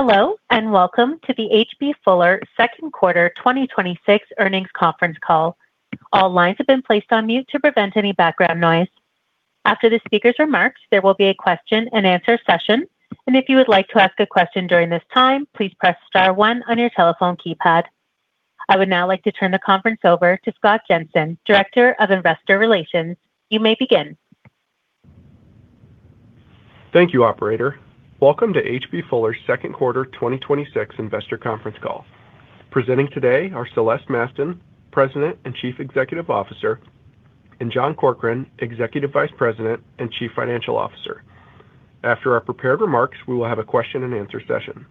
Hello. Welcome to the H.B. Fuller second quarter 2026 earnings conference call. All lines have been placed on mute to prevent any background noise. After the speaker's remarks, there will be a question and answer session. If you would like to ask a question during this time, please press star one on your telephone keypad. I would now like to turn the conference over to Scott Jensen, Director of Investor Relations. You may begin. Thank you, operator. Welcome to H.B. Fuller's second quarter 2026 investor conference call. Presenting today are Celeste Mastin, President and Chief Executive Officer, and John Corkrean, Executive Vice President and Chief Financial Officer. After our prepared remarks, we will have a question and answer session.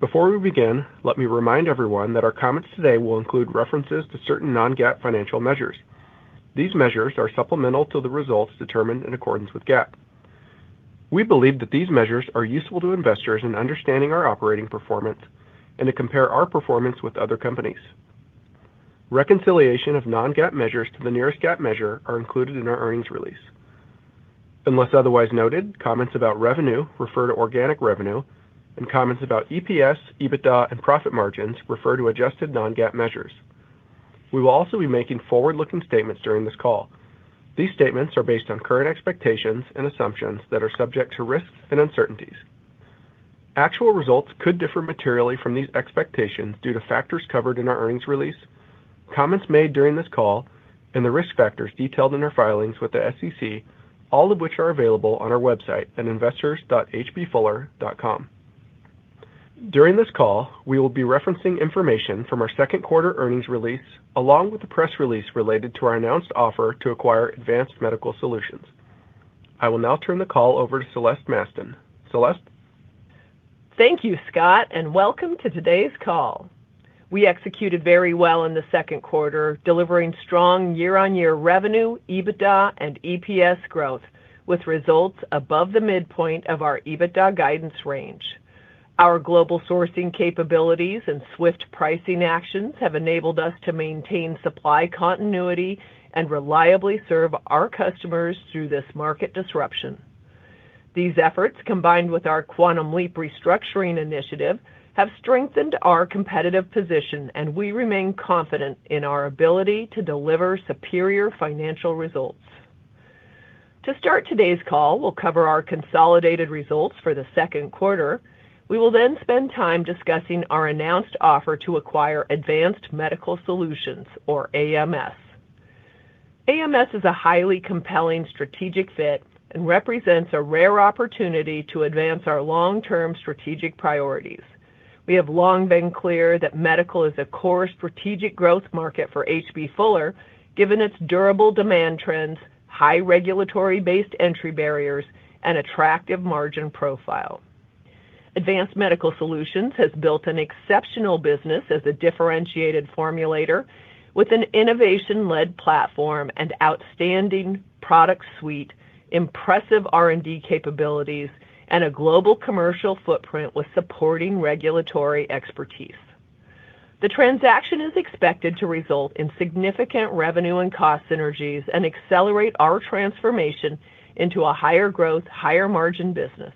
Before we begin, let me remind everyone that our comments today will include references to certain non-GAAP financial measures. These measures are supplemental to the results determined in accordance with GAAP. We believe that these measures are useful to investors in understanding our operating performance and to compare our performance with other companies. Reconciliation of non-GAAP measures to the nearest GAAP measure are included in our earnings release. Unless otherwise noted, comments about revenue refer to organic revenue, and comments about EPS, EBITDA, and profit margins refer to adjusted non-GAAP measures. We will also be making forward-looking statements during this call. These statements are based on current expectations and assumptions that are subject to risks and uncertainties. Actual results could differ materially from these expectations due to factors covered in our earnings release, comments made during this call, and the risk factors detailed in our filings with the SEC, all of which are available on our website at investors.hbfuller.com. During this call, we will be referencing information from our second quarter earnings release, along with the press release related to our announced offer to acquire Advanced Medical Solutions. I will now turn the call over to Celeste Mastin. Celeste? Thank you, Scott. Welcome to today's call. We executed very well in the second quarter, delivering strong year-on-year revenue, EBITDA, and EPS growth, with results above the midpoint of our EBITDA guidance range. Our global sourcing capabilities and swift pricing actions have enabled us to maintain supply continuity and reliably serve our customers through this market disruption. These efforts, combined with our Quantum Leap restructuring initiative, have strengthened our competitive position. We remain confident in our ability to deliver superior financial results. To start today's call, we'll cover our consolidated results for the second quarter. We will then spend time discussing our announced offer to acquire Advanced Medical Solutions, or AMS. AMS is a highly compelling strategic fit and represents a rare opportunity to advance our long-term strategic priorities. We have long been clear that medical is a core strategic growth market for H.B. Fuller, given its durable demand trends, high regulatory-based entry barriers, and attractive margin profile. Advanced Medical Solutions has built an exceptional business as a differentiated formulator with an innovation-led platform, an outstanding product suite, impressive R&D capabilities, and a global commercial footprint with supporting regulatory expertise. The transaction is expected to result in significant revenue and cost synergies and accelerate our transformation into a higher-growth, higher-margin business.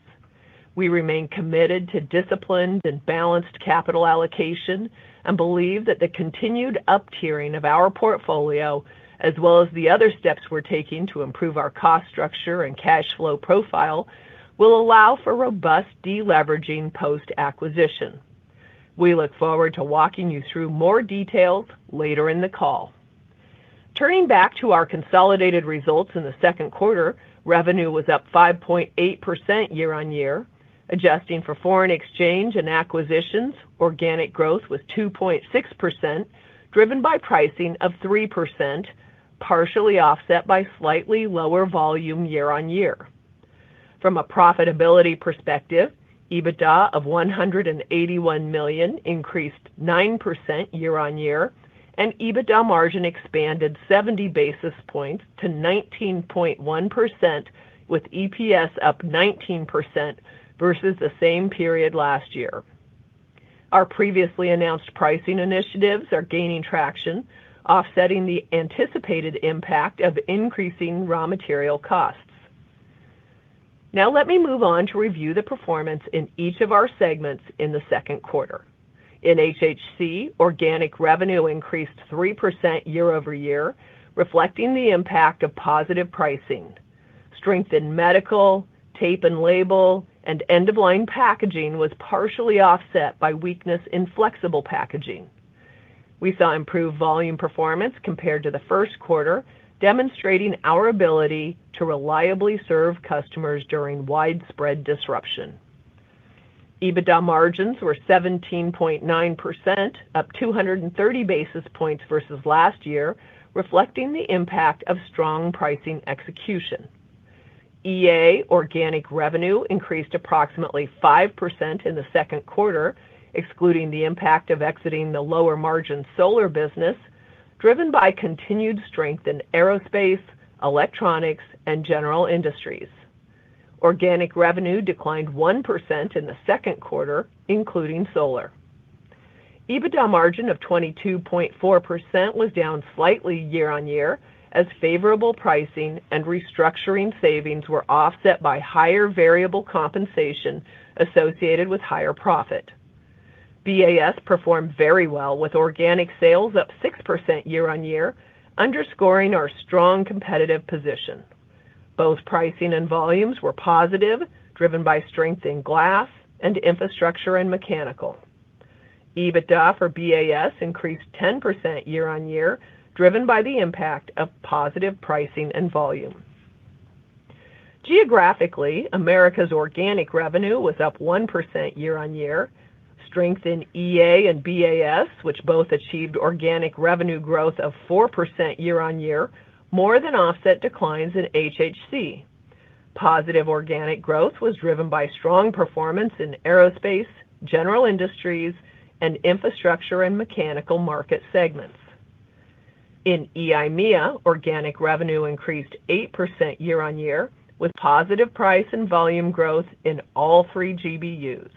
We remain committed to disciplined and balanced capital allocation and believe that the continued up-tiering of our portfolio, as well as the other steps we're taking to improve our cost structure and cash flow profile, will allow for robust de-leveraging post-acquisition. We look forward to walking you through more details later in the call. Turning back to our consolidated results in the second quarter, revenue was up 5.8% year-on-year. Adjusting for foreign exchange and acquisitions, organic growth was 2.6%, driven by pricing of 3%, partially offset by slightly lower volume year-on-year. From a profitability perspective, EBITDA of $181 million increased 9% year-on-year, and EBITDA margin expanded 70 basis points to 19.1%, with EPS up 19% versus the same period last year. Our previously announced pricing initiatives are gaining traction, offsetting the anticipated impact of increasing raw material costs. Let me move on to review the performance in each of our segments in the second quarter. In HHC, organic revenue increased 3% year-over-year, reflecting the impact of positive pricing. Strength in medical, tape and label, and end-of-line packaging was partially offset by weakness in flexible packaging. We saw improved volume performance compared to the first quarter, demonstrating our ability to reliably serve customers during widespread disruption. EBITDA margins were 17.9%, up 230 basis points versus last year, reflecting the impact of strong pricing execution. EA organic revenue increased approximately 5% in the second quarter, excluding the impact of exiting the lower-margin solar business, driven by continued strength in aerospace, electronics, and general industries. Organic revenue declined 1% in the second quarter, including solar. EBITDA margin of 22.4% was down slightly year-on-year as favorable pricing and restructuring savings were offset by higher variable compensation associated with higher profit. BAS performed very well with organic sales up 6% year-on-year, underscoring our strong competitive position. Both pricing and volumes were positive, driven by strength in glass and infrastructure and mechanical. EBITDA for BAS increased 10% year-on-year, driven by the impact of positive pricing and volume. Geographically, Americas organic revenue was up 1% year-on-year. Strength in EA and BAS, which both achieved organic revenue growth of 4% year-on-year, more than offset declines in HHC. Positive organic growth was driven by strong performance in aerospace, general industries, and infrastructure and mechanical market segments. In EIMEA, organic revenue increased 8% year-on-year with positive price and volume growth in all three GBUs.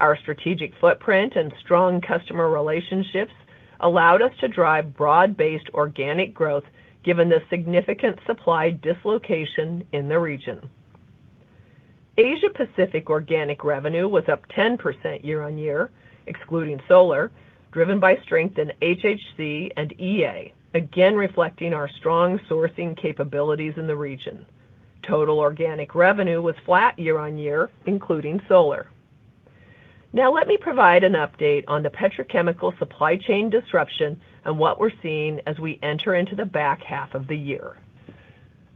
Our strategic footprint and strong customer relationships allowed us to drive broad-based organic growth given the significant supply dislocation in the region. Asia Pacific organic revenue was up 10% year-on-year, excluding solar, driven by strength in HHC and EA, again reflecting our strong sourcing capabilities in the region. Total organic revenue was flat year-on-year, including solar. Let me provide an update on the petrochemical supply chain disruption and what we're seeing as we enter into the back half of the year.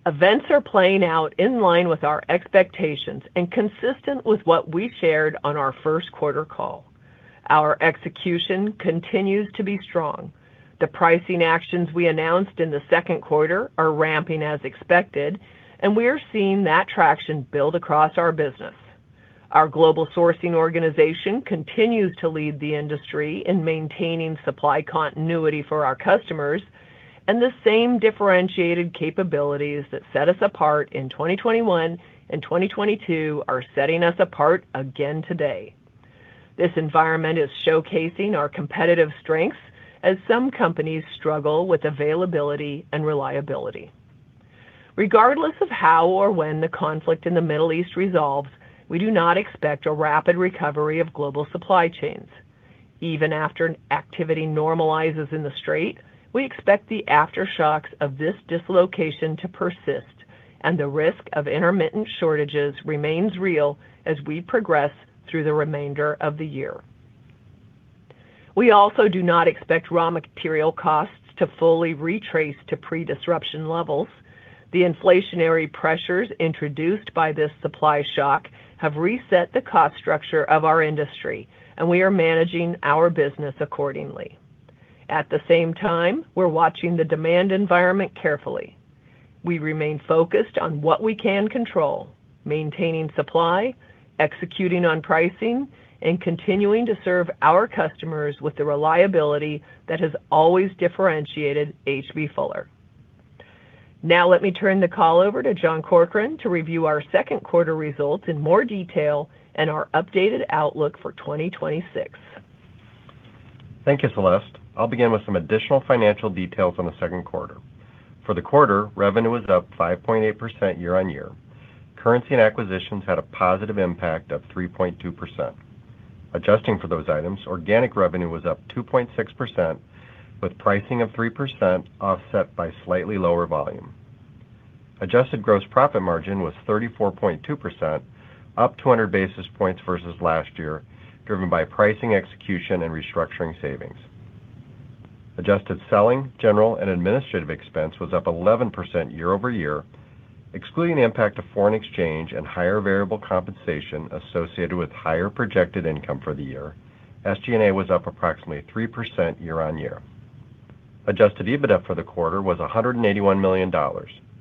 Events are playing out in line with our expectations and consistent with what we shared on our first quarter call. Our execution continues to be strong. The pricing actions we announced in the second quarter are ramping as expected, and we are seeing that traction build across our business. Our global sourcing organization continues to lead the industry in maintaining supply continuity for our customers, and the same differentiated capabilities that set us apart in 2021 and 2022 are setting us apart again today. This environment is showcasing our competitive strengths as some companies struggle with availability and reliability. Regardless of how or when the conflict in the Middle East resolves, we do not expect a rapid recovery of global supply chains. Even after activity normalizes in the Strait, we expect the aftershocks of this dislocation to persist, and the risk of intermittent shortages remains real as we progress through the remainder of the year. We also do not expect raw material costs to fully retrace to pre-disruption levels. The inflationary pressures introduced by this supply shock have reset the cost structure of our industry, and we are managing our business accordingly. At the same time, we're watching the demand environment carefully. We remain focused on what we can control, maintaining supply, executing on pricing, and continuing to serve our customers with the reliability that has always differentiated H.B. Fuller. Now let me turn the call over to John Corkrean to review our second quarter results in more detail and our updated outlook for 2026. Thank you, Celeste. I'll begin with some additional financial details on the second quarter. For the quarter, revenue was up 5.8% year-on-year. Currency and acquisitions had a positive impact of 3.2%. Adjusting for those items, organic revenue was up 2.6%, with pricing of 3% offset by slightly lower volume. Adjusted gross profit margin was 34.2%, up 200 basis points versus last year, driven by pricing execution and restructuring savings. Adjusted selling, general, and administrative expense was up 11% year-over-year. Excluding the impact of foreign exchange and higher variable compensation associated with higher projected income for the year, SG&A was up approximately 3% year-on-year. Adjusted EBITDA for the quarter was $181 million,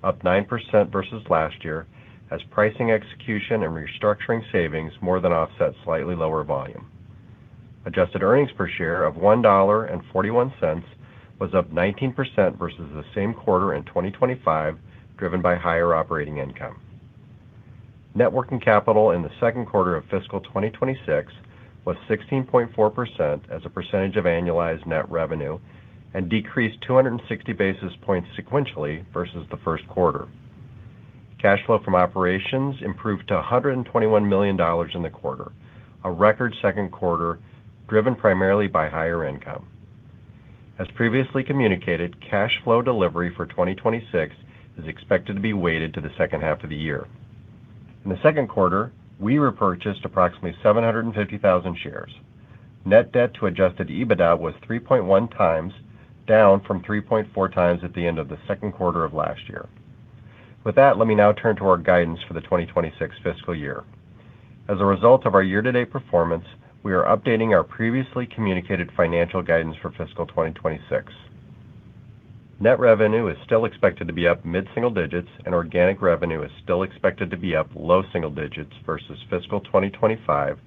up 9% versus last year, as pricing execution and restructuring savings more than offset slightly lower volume. Adjusted earnings per share of $1.41 was up 19% versus the same quarter in 2025, driven by higher operating income. Net working capital in the second quarter of fiscal 2026 was 16.4% as a percentage of annualized net revenue and decreased 260 basis points sequentially versus the first quarter. Cash flow from operations improved to $121 million in the quarter, a record second quarter driven primarily by higher income. As previously communicated, cash flow delivery for 2026 is expected to be weighted to the second half of the year. In the second quarter, we repurchased approximately 750,000 shares. Net debt to adjusted EBITDA was 3.1x, down from 3.4x at the end of the second quarter of last year. With that, let me now turn to our guidance for the 2026 fiscal year. As a result of our year-to-year performance, we are updating our previously communicated financial guidance for fiscal 2026. Net revenue is still expected to be up mid-single digits, and organic revenue is still expected to be up low single digits versus fiscal 2025,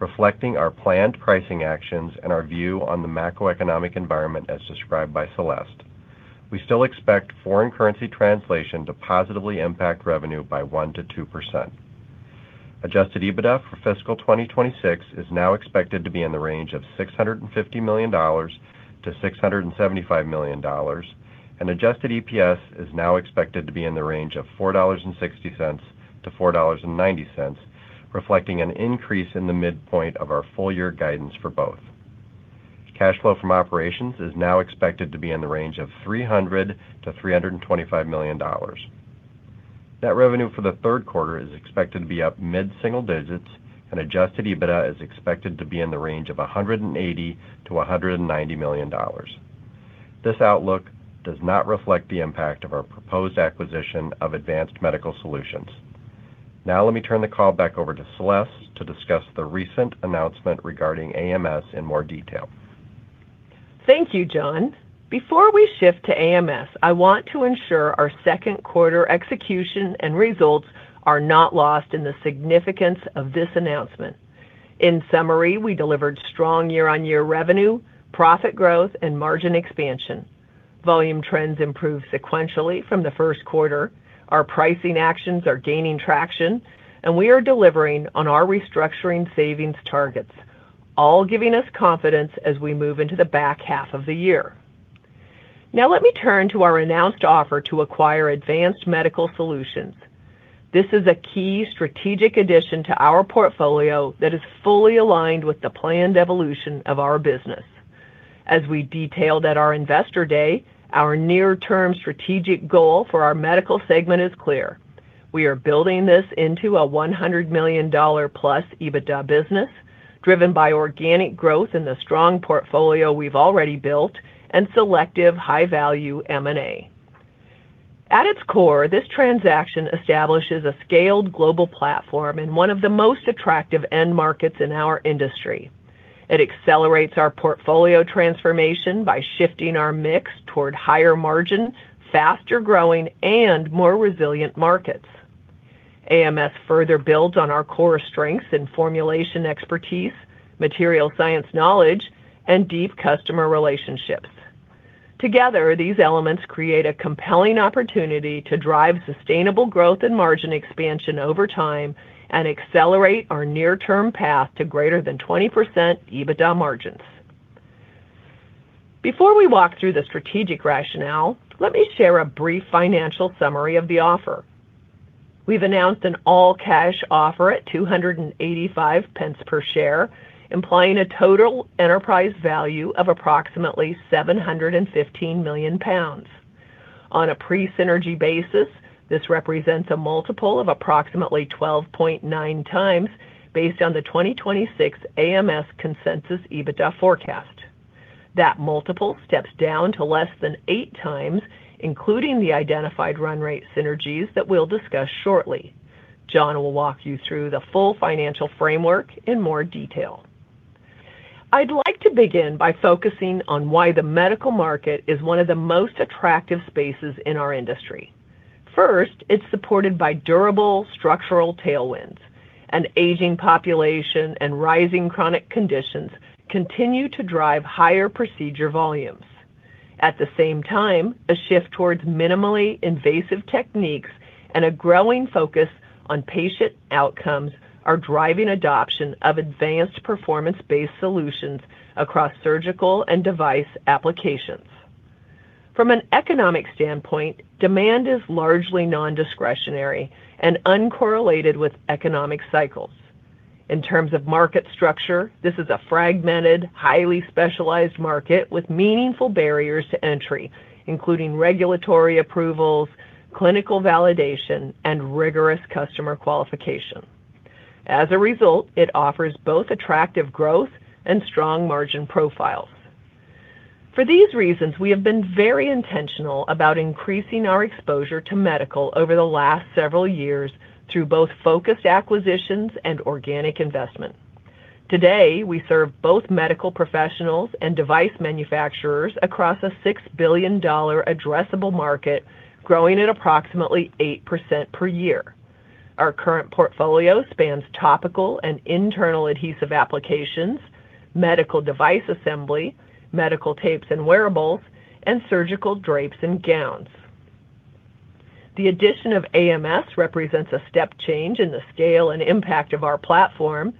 reflecting our planned pricing actions and our view on the macroeconomic environment as described by Celeste. We still expect foreign currency translation to positively impact revenue by 1%-2%. Adjusted EBITDA for fiscal 2026 is now expected to be in the range of $650 million-$675 million. Adjusted EPS is now expected to be in the range of $4.60-$4.90, reflecting an increase in the midpoint of our full year guidance for both. Cash flow from operations is now expected to be in the range of $300 million-$325 million. Net revenue for the third quarter is expected to be up mid-single digits, and Adjusted EBITDA is expected to be in the range of $180 million-$190 million. This outlook does not reflect the impact of our proposed acquisition of Advanced Medical Solutions. Let me turn the call back over to Celeste to discuss the recent announcement regarding AMS in more detail. Thank you, John. Before we shift to AMS, I want to ensure our second quarter execution and results are not lost in the significance of this announcement. In summary, we delivered strong year-over-year revenue, profit growth, and margin expansion. Volume trends improved sequentially from the first quarter. Our pricing actions are gaining traction, and we are delivering on our restructuring savings targets, all giving us confidence as we move into the back half of the year. Let me turn to our announced offer to acquire Advanced Medical Solutions. This is a key strategic addition to our portfolio that is fully aligned with the planned evolution of our business. As we detailed at our investor day, our near-term strategic goal for our medical segment is clear. We are building this into a $100 million+ EBITDA business, driven by organic growth in the strong portfolio we've already built and selective high-value M&A. At its core, this transaction establishes a scaled global platform in one of the most attractive end markets in our industry. It accelerates our portfolio transformation by shifting our mix toward higher margin, faster-growing, and more resilient markets. AMS further builds on our core strengths in formulation expertise, material science knowledge, and deep customer relationships. Together, these elements create a compelling opportunity to drive sustainable growth and margin expansion over time and accelerate our near-term path to greater than 20% EBITDA margins. Before we walk through the strategic rationale, let me share a brief financial summary of the offer. We've announced an all-cash offer at 2.85 per share, implying a total enterprise value of approximately 715 million pounds. On a pre-synergy basis, this represents a multiple of approximately 12.9x based on the 2026 AMS consensus EBITDA forecast. That multiple steps down to less than 8x, including the identified run rate synergies that we'll discuss shortly. John will walk you through the full financial framework in more detail. I'd like to begin by focusing on why the medical market is one of the most attractive spaces in our industry. First, it's supported by durable structural tailwinds. An aging population and rising chronic conditions continue to drive higher procedure volumes. At the same time, a shift towards minimally invasive techniques and a growing focus on patient outcomes are driving adoption of advanced performance-based solutions across surgical and device applications. From an economic standpoint, demand is largely non-discretionary and uncorrelated with economic cycles. In terms of market structure, this is a fragmented, highly specialized market with meaningful barriers to entry, including regulatory approvals, clinical validation, and rigorous customer qualification. As a result, it offers both attractive growth and strong margin profiles. For these reasons, we have been very intentional about increasing our exposure to medical over the last several years through both focused acquisitions and organic investment. Today, we serve both medical professionals and device manufacturers across a $6 billion addressable market, growing at approximately 8% per year. Our current portfolio spans topical and internal adhesive applications, medical device assembly, medical tapes and wearables, and surgical drapes and gowns. The addition of AMS represents a step change in the scale and impact of our platform.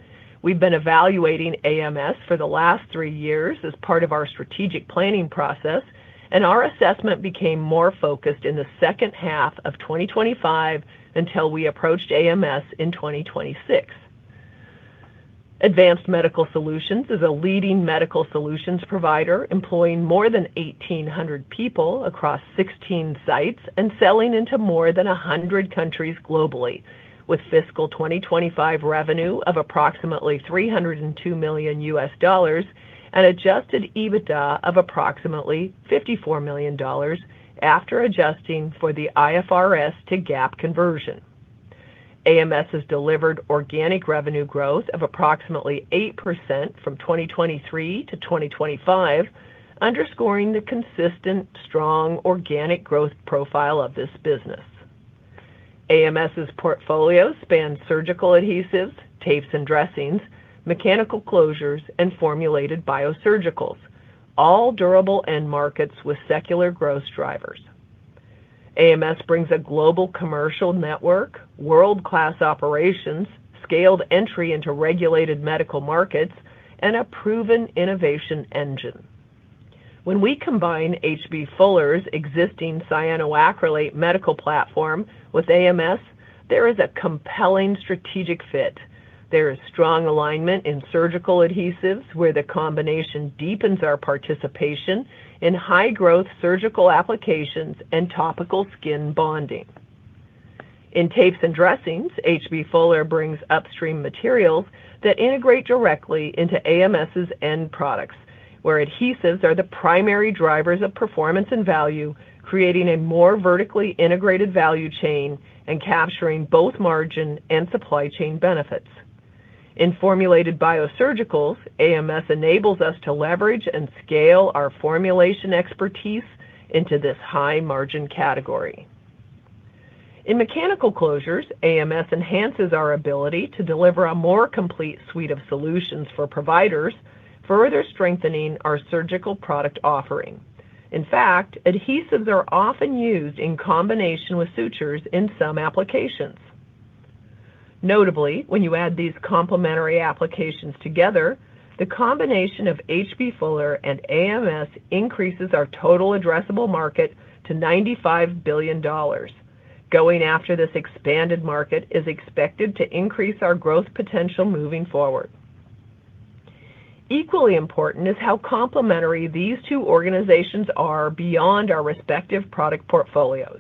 We've been evaluating AMS for the last three years as part of our strategic planning process, and our assessment became more focused in the second half of 2025 until we approached AMS in 2026. Advanced Medical Solutions is a leading medical solutions provider, employing more than 1,800 people across 16 sites and selling into more than 100 countries globally. With fiscal 2025 revenue of approximately $302 million and adjusted EBITDA of approximately $54 million after adjusting for the IFRS to GAAP conversion. AMS has delivered organic revenue growth of approximately 8% from 2023 to 2025, underscoring the consistent, strong organic growth profile of this business. AMS's portfolio spans surgical adhesives, tapes and dressings, mechanical closures, and formulated biosurgicals, all durable end markets with secular growth drivers. AMS brings a global commercial network, world-class operations, scaled entry into regulated medical markets, and a proven innovation engine. When we combine H.B. Fuller's existing cyanoacrylate medical platform with AMS, there is a compelling strategic fit. There is strong alignment in surgical adhesives, where the combination deepens our participation in high-growth surgical applications and topical skin bonding. In tapes and dressings, H.B. Fuller brings upstream materials that integrate directly into AMS's end products, where adhesives are the primary drivers of performance and value, creating a more vertically integrated value chain and capturing both margin and supply chain benefits. In formulated biosurgicals, AMS enables us to leverage and scale our formulation expertise into this high-margin category. In mechanical closures, AMS enhances our ability to deliver a more complete suite of solutions for providers, further strengthening our surgical product offering. In fact, adhesives are often used in combination with sutures in some applications. Notably, when you add these complementary applications together, the combination of H.B. Fuller Fuller and AMS increases our total addressable market to $95 billion. Going after this expanded market is expected to increase our growth potential moving forward. Equally important is how complementary these two organizations are beyond our respective product portfolios.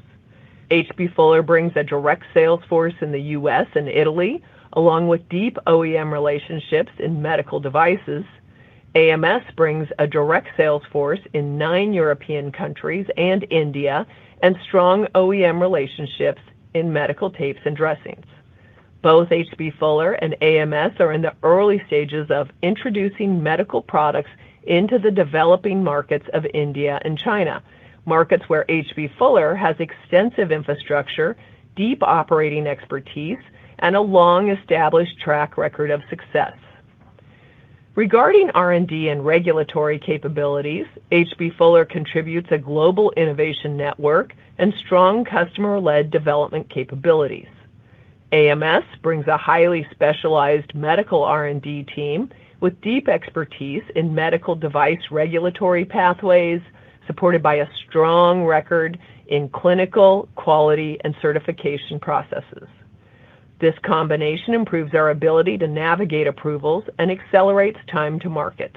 H.B. Fuller brings a direct sales force in the U.S. and Italy, along with deep OEM relationships in medical devices. AMS brings a direct sales force in nine European countries and India and strong OEM relationships in medical tapes and dressings. Both H.B. Fuller and AMS are in the early stages of introducing medical products into the developing markets of India and China, markets where H.B. Fuller has extensive infrastructure, deep operating expertise, and a long-established track record of success. Regarding R&D and regulatory capabilities, H.B. Fuller contributes a global innovation network and strong customer-led development capabilities. AMS brings a highly specialized medical R&D team with deep expertise in medical device regulatory pathways, supported by a strong record in clinical, quality, and certification processes. This combination improves our ability to navigate approvals and accelerates time to market.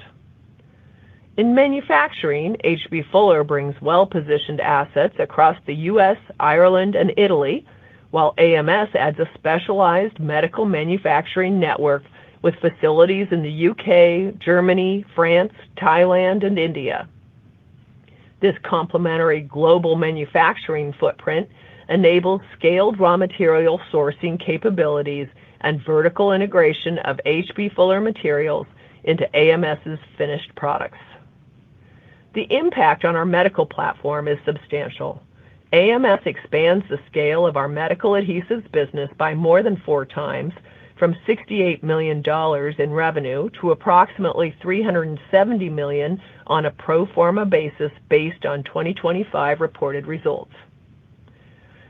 In manufacturing, H.B. Fuller brings well-positioned assets across the U.S., Ireland, and Italy, while AMS adds a specialized medical manufacturing network with facilities in the U.K., Germany, France, Thailand, and India. This complementary global manufacturing footprint enables scaled raw material sourcing capabilities and vertical integration of H.B. Fuller materials into AMS's finished products. The impact on our medical platform is substantial. AMS expands the scale of our medical adhesives business by more than four times, from $68 million in revenue to approximately $370 million on a pro forma basis based on 2025 reported results.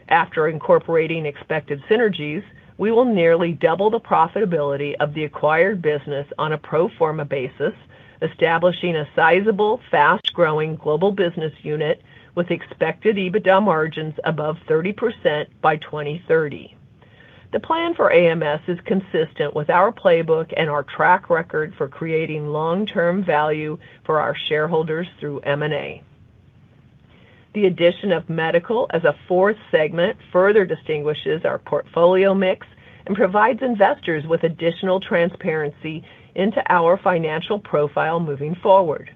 After incorporating expected synergies, we will nearly double the profitability of the acquired business on a pro forma basis, establishing a sizable, fast-growing global business unit with expected EBITDA margins above 30% by 2030. The plan for AMS is consistent with our playbook and our track record for creating long-term value for our shareholders through M&A. The addition of medical as a fourth segment further distinguishes our portfolio mix and provides investors with additional transparency into our financial profile moving forward.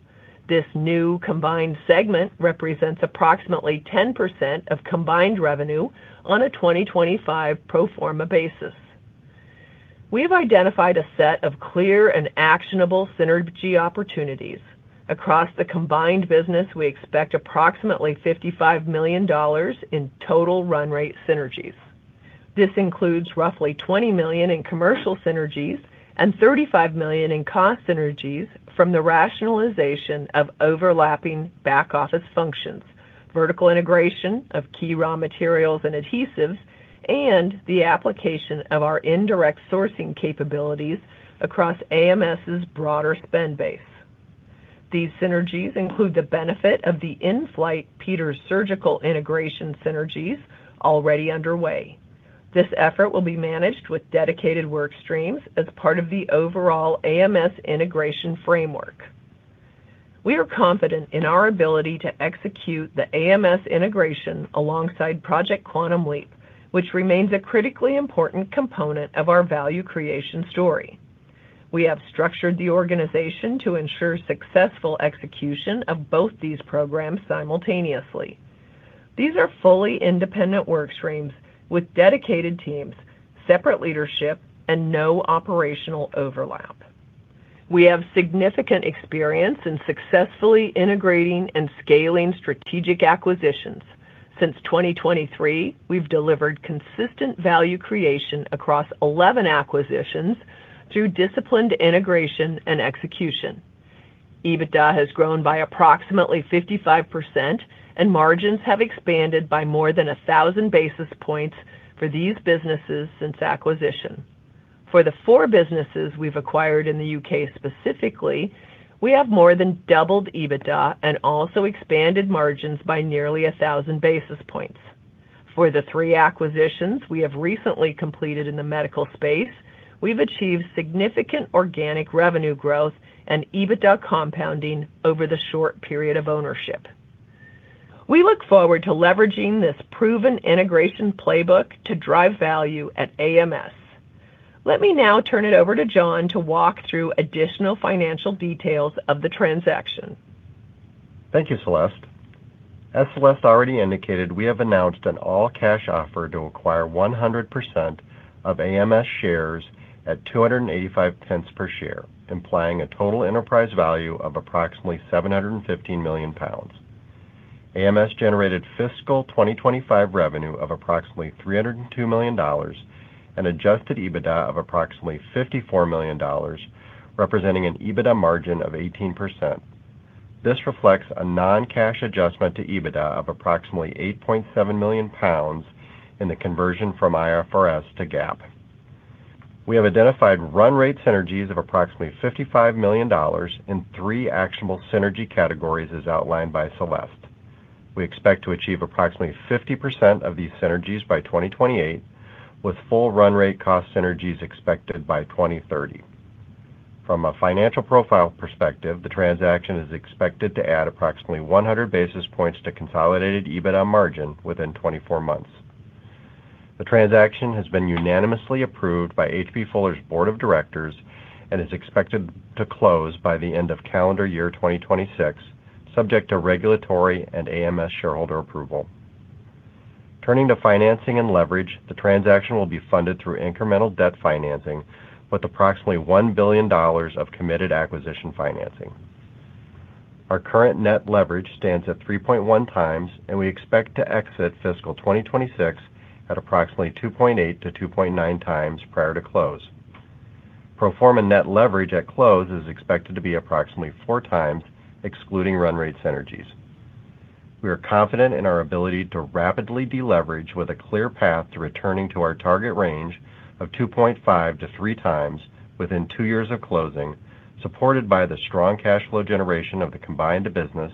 This new combined segment represents approximately 10% of combined revenue on a 2025 pro forma basis. We have identified a set of clear and actionable synergy opportunities. Across the combined business, we expect approximately $55 million in total run rate synergies. This includes roughly $20 million in commercial synergies and $35 million in cost synergies from the rationalization of overlapping back-office functions, vertical integration of key raw materials and adhesives, and the application of our indirect sourcing capabilities across AMS's broader spend base. These synergies include the benefit of the in-flight Peters Surgical integration synergies already underway. This effort will be managed with dedicated work streams as part of the overall AMS integration framework. We are confident in our ability to execute the AMS integration alongside Project Quantum Leap, which remains a critically important component of our value creation story. We have structured the organization to ensure successful execution of both these programs simultaneously. These are fully independent work streams with dedicated teams, separate leadership, and no operational overlap. We have significant experience in successfully integrating and scaling strategic acquisitions. Since 2023, we've delivered consistent value creation across 11 acquisitions through disciplined integration and execution. EBITDA has grown by approximately 55%, and margins have expanded by more than 1,000 basis points for these businesses since acquisition. For the four businesses we've acquired in the U.K. specifically, we have more than doubled EBITDA and also expanded margins by nearly 1,000 basis points. For the three acquisitions we have recently completed in the medical space, we've achieved significant organic revenue growth and EBITDA compounding over the short period of ownership. We look forward to leveraging this proven integration playbook to drive value at AMS. Let me now turn it over to John to walk through additional financial details of the transaction. Thank you, Celeste. As Celeste already indicated, we have announced an all-cash offer to acquire 100% of AMS shares at 2.85 per share, implying a total enterprise value of approximately 715 million pounds. AMS generated FY 2025 revenue of approximately $302 million, an adjusted EBITDA of approximately $54 million, representing an EBITDA margin of 18%. This reflects a non-cash adjustment to EBITDA of approximately 8.7 million pounds in the conversion from IFRS to GAAP. We have identified run rate synergies of approximately $55 million in three actionable synergy categories, as outlined by Celeste. We expect to achieve approximately 50% of these synergies by 2028, with full run rate cost synergies expected by 2030. From a financial profile perspective, the transaction is expected to add approximately 100 basis points to consolidated EBITDA margin within 24 months. The transaction has been unanimously approved by H.B. Fuller's Board of Directors and is expected to close by the end of calendar year 2026, subject to regulatory and AMS shareholder approval. Turning to financing and leverage, the transaction will be funded through incremental debt financing with approximately $1 billion of committed acquisition financing. Our current net leverage stands at 3.1x, and we expect to exit FY 2026 at approximately 2.8 to 2.9x prior to close. Pro forma net leverage at close is expected to be approximately 4x excluding run rate synergies. We are confident in our ability to rapidly deleverage with a clear path to returning to our target range of 2.5 to 3x within two years of closing, supported by the strong cash flow generation of the combined business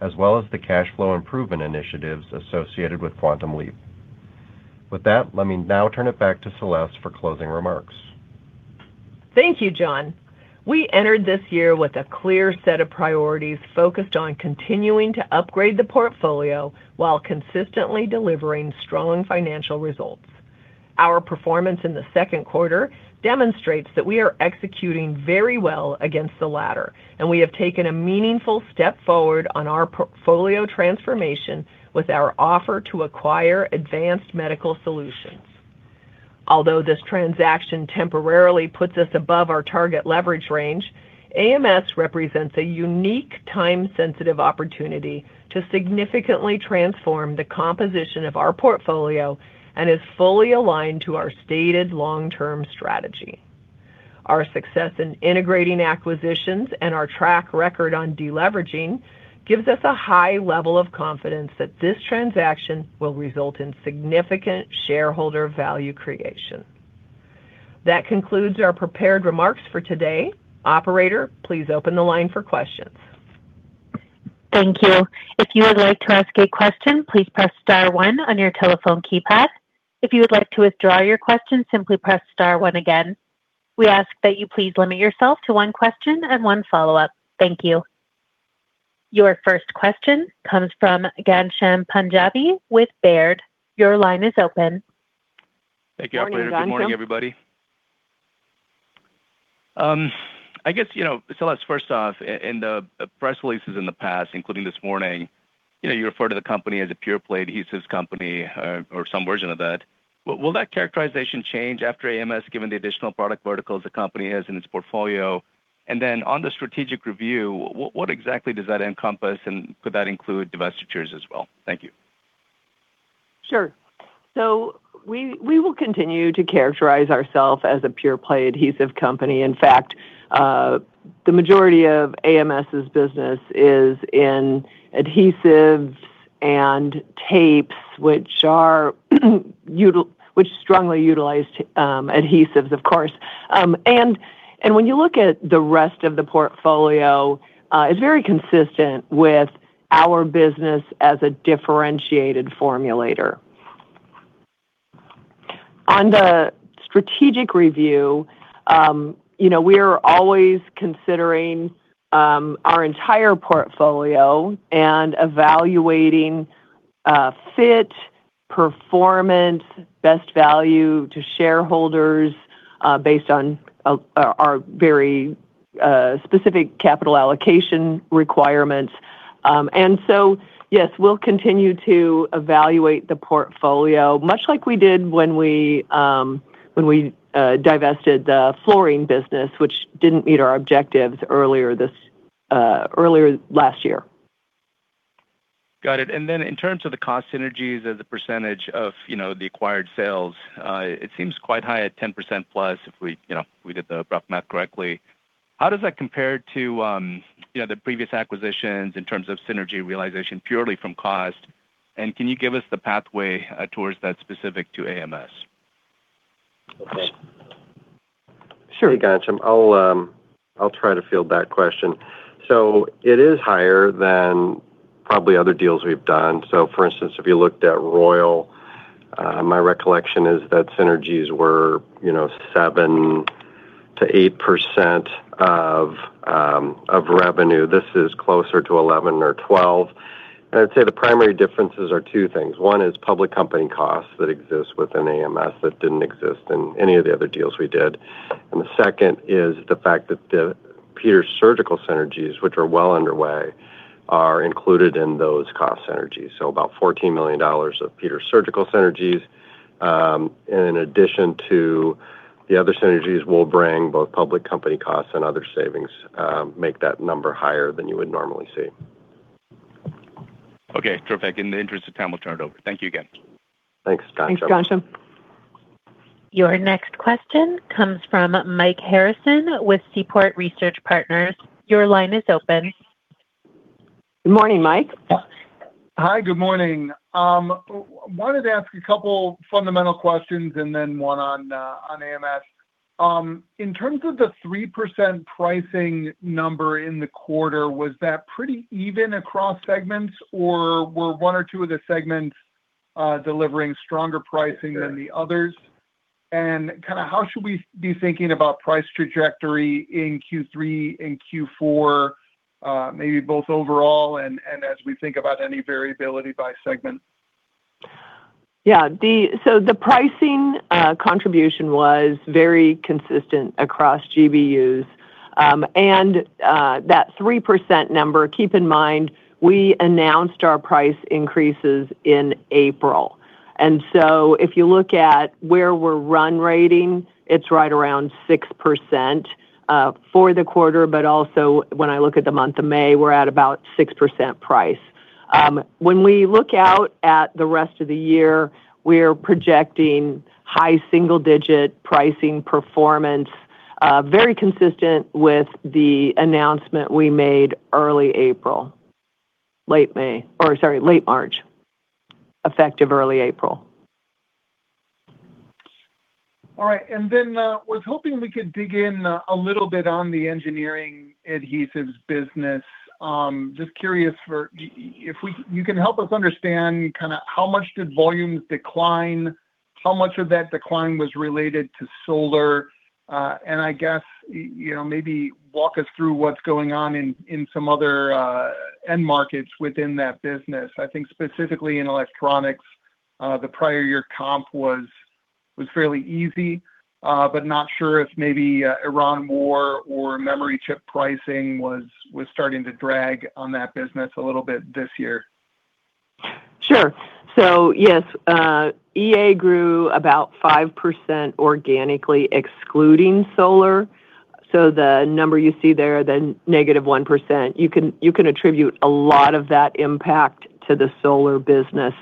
as well as the cash flow improvement initiatives associated with Quantum Leap. With that, let me now turn it back to Celeste for closing remarks. Thank you, John. We entered this year with a clear set of priorities focused on continuing to upgrade the portfolio while consistently delivering strong financial results. Our performance in the second quarter demonstrates that we are executing very well against the latter, and we have taken a meaningful step forward on our portfolio transformation with our offer to acquire Advanced Medical Solutions. Although this transaction temporarily puts us above our target leverage range, AMS represents a unique time-sensitive opportunity to significantly transform the composition of our portfolio and is fully aligned to our stated long-term strategy. Our success in integrating acquisitions and our track record on deleveraging gives us a high level of confidence that this transaction will result in significant shareholder value creation. That concludes our prepared remarks for today. Operator, please open the line for questions. Thank you. If you would like to ask a question, please press star one on your telephone keypad. If you would like to withdraw your question, simply press star one again. We ask that you please limit yourself to one question and one follow-up. Thank you. Your first question comes from Ghansham Panjabi with Baird. Your line is open. Morning, Ghansham. Thank you, operator. Good morning, everybody. I guess, Celeste, first off, in the press releases in the past, including this morning, you refer to the company as a pure-play adhesives company or some version of that. Will that characterization change after AMS given the additional product verticals the company has in its portfolio? Then on the strategic review, what exactly does that encompass, and could that include divestitures as well? Thank you. Sure. We will continue to characterize ourself as a pure-play adhesive company. In fact, the majority of AMS's business is in adhesives and tapes, which are strongly utilized adhesives, of course. When you look at the rest of the portfolio, it's very consistent with our business as a differentiated formulator. On the strategic review, we're always considering our entire portfolio and evaluating fit, performance, best value to shareholders based on our very specific capital allocation requirements. Yes, we'll continue to evaluate the portfolio, much like we did when we divested the flooring business, which didn't meet our objectives earlier last year. Got it. In terms of the cost synergies as a percentage of the acquired sales, it seems quite high at 10%+, if we did the rough math correctly. How does that compare to the previous acquisitions in terms of synergy realization purely from cost? Can you give us the pathway towards that specific to AMS? Okay. Sure, Ghansham. I'll try to field that question. It is higher than probably other deals we've done. For instance, if you looked at Royal, my recollection is that synergies were 7%-8% of revenue. This is closer to 11% or 12%. I'd say the primary differences are two things. One is public company costs that exist within AMS that didn't exist in any of the other deals we did. The second is the fact that the Peters Surgical synergies, which are well underway, are included in those cost synergies. About $14 million of Peters Surgical synergies, in addition to the other synergies we'll bring, both public company costs and other savings, make that number higher than you would normally see. Okay, perfect. In the interest of time, we'll turn it over. Thank you again. Thanks, Ghansham. Thanks, Ghansham. Your next question comes from Mike Harrison with Seaport Research Partners. Your line is open. Good morning, Mike. Hi, good morning. Wanted to ask a couple fundamental questions. Then one on AMS. In terms of the 3% pricing number in the quarter, was that pretty even across segments, or were one or two of the segments delivering stronger pricing than the others? How should we be thinking about price trajectory in Q3 and Q4, maybe both overall and as we think about any variability by segment? Yeah. The pricing contribution was very consistent across GBUs. That 3% number, keep in mind, we announced our price increases in April. If you look at where we're run rating, it's right around 6% for the quarter, but also when I look at the month of May, we're at about 6% price. When we look out at the rest of the year, we are projecting high single digit pricing performance, very consistent with the announcement we made early April. Late May. Sorry, late March, effective early April. All right. Then, I was hoping we could dig in a little bit on the Engineering Adhesives business. Just curious if you can help us understand how much did volumes decline, how much of that decline was related to solar, and I guess, maybe walk us through what's going on in some other end markets within that business. I think specifically in electronics, the prior year comp was fairly easy, but not sure if maybe Iran war or memory chip pricing was starting to drag on that business a little bit this year. Sure. Yes, EA grew about 5% organically excluding solar. The number you see there, the negative 1%, you can attribute a lot of that impact to the solar business.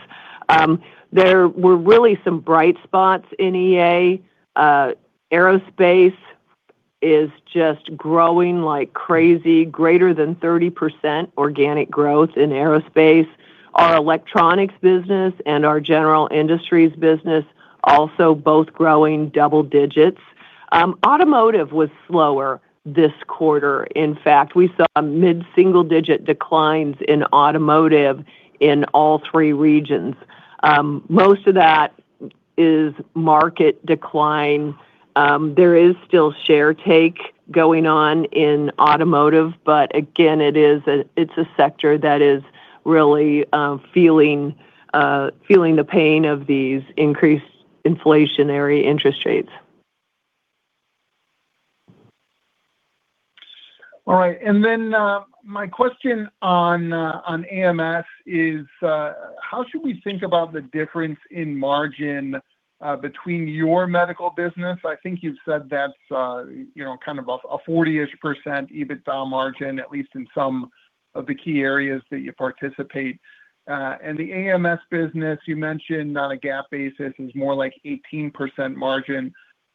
There were really some bright spots in EA. Aerospace is just growing like crazy, greater than 30% organic growth in aerospace. Our electronics business and our general industries business also both growing double digits. Automotive was slower this quarter. In fact, we saw mid-single digit declines in automotive in all three regions. Most of that is market decline. There is still share take going on in automotive, but again, it's a sector that is really feeling the pain of these increased inflationary interest rates. My question on AMS is, how should we think about the difference in margin between your medical business? I think you've said that's kind of a 40%-ish EBITDA margin, at least in some of the key areas that you participate. The AMS business you mentioned on a GAAP basis is more like 18% margin.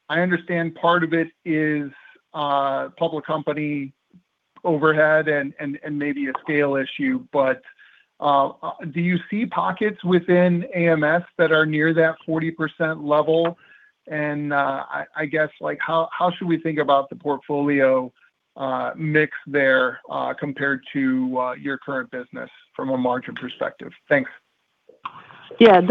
I understand part of it is public company overhead and maybe a scale issue, but do you see pockets within AMS that are near that 40% level? I guess, how should we think about the portfolio mix there compared to your current business from a margin perspective? Thanks. Yeah.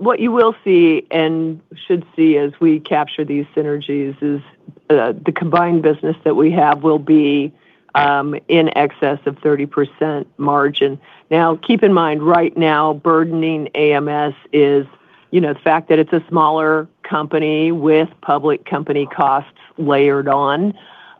What you will see and should see as we capture these synergies is the combined business that we have will be in excess of 30% margin. Now, keep in mind, right now, burdening AMS is the fact that it's a smaller company with public company costs layered on.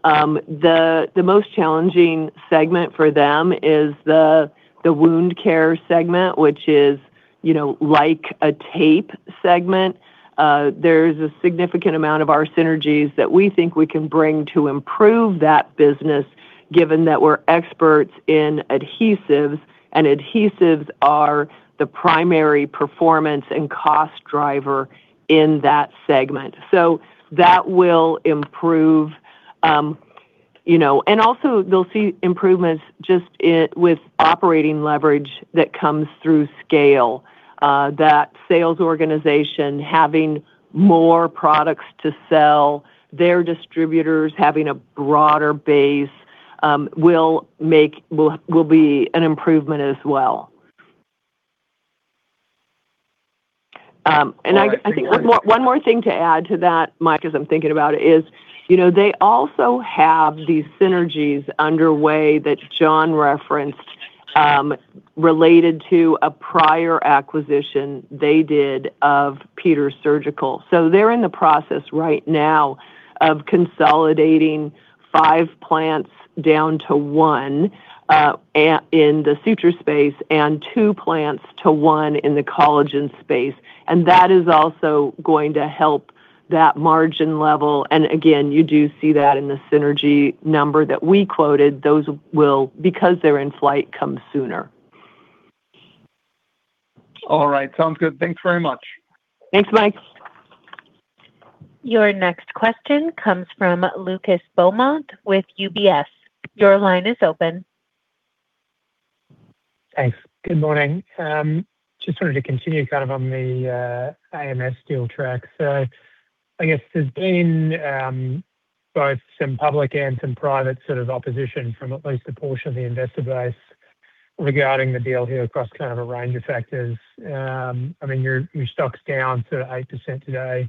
The most challenging segment for them is the wound care segment, which is, you know, like a tape segment, there's a significant amount of our synergies that we think we can bring to improve that business, given that we're experts in adhesives, and adhesives are the primary performance and cost driver in that segment. That will improve. Also they'll see improvements just with operating leverage that comes through scale, that sales organization having more products to sell, their distributors having a broader base will be an improvement as well. I think. One more thing to add to that, Mike, as I'm thinking about it is, they also have these synergies underway that John referenced, related to a prior acquisition they did of Peters Surgical. They're in the process right now of consolidating five plants down to one in the suture space and two plants to one in the collagen space. That is also going to help that margin level. Again, you do see that in the synergy number that we quoted. Those will, because they're in flight, come sooner. All right. Sounds good. Thanks very much. Thanks, Mike. Your next question comes from Lucas Beaumont with UBS. Your line is open. Thanks. Good morning. Just wanted to continue kind of on the AMS deal track. I guess there's been both some public and some private sort of opposition from at least a portion of the investor base regarding the deal here across kind of a range of factors. Your stock's down sort of 8% today.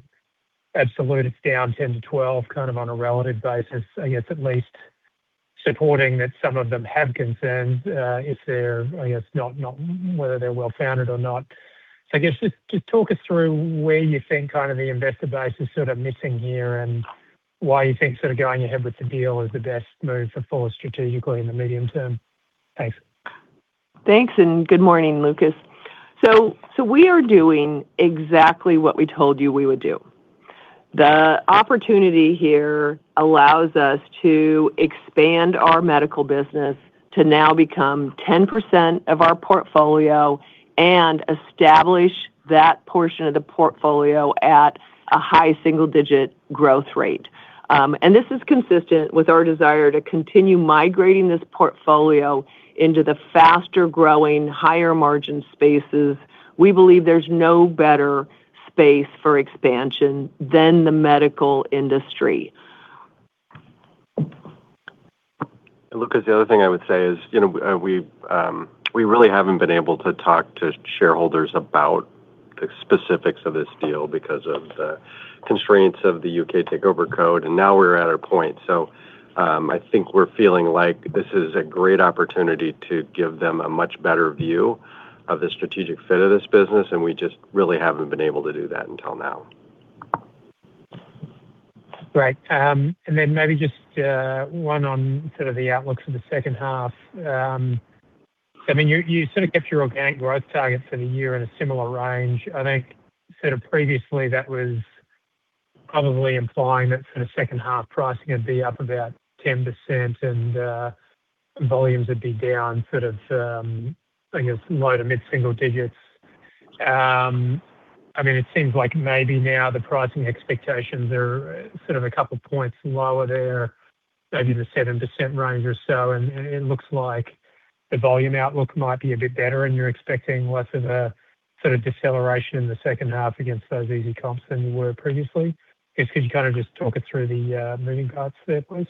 Absolute, it's down 10%-12%, kind of on a relative basis, I guess, at least supporting that some of them have concerns, I guess whether they're well-founded or not. I guess just talk us through where you think kind of the investor base is sort of missing here and why you think sort of going ahead with the deal is the best move for Fuller strategically in the medium term. Thanks. Thanks, good morning, Lucas. We are doing exactly what we told you we would do. The opportunity here allows us to expand our medical business to now become 10% of our portfolio and establish that portion of the portfolio at a high single-digit growth rate. This is consistent with our desire to continue migrating this portfolio into the faster-growing, higher-margin spaces. We believe there's no better space for expansion than the medical industry. Lucas, the other thing I would say is, we really haven't been able to talk to shareholders about the specifics of this deal because of the constraints of the U.K. Takeover Code, and now we're at a point. I think we're feeling like this is a great opportunity to give them a much better view of the strategic fit of this business. We just really haven't been able to do that until now. Great. Maybe just one on sort of the outlook for the second half. You sort of kept your organic growth targets for the year in a similar range. I think sort of previously that was probably implying that sort of second-half pricing would be up about 10% and volumes would be down sort of, I guess, low to mid-single digits. It seems like maybe now the pricing expectations are sort of a couple points lower there, maybe the 7% range or so. It looks like the volume outlook might be a bit better and you're expecting less of a sort of deceleration in the second half against those easy comps than you were previously. I guess could you kind of just talk us through the moving parts there, please?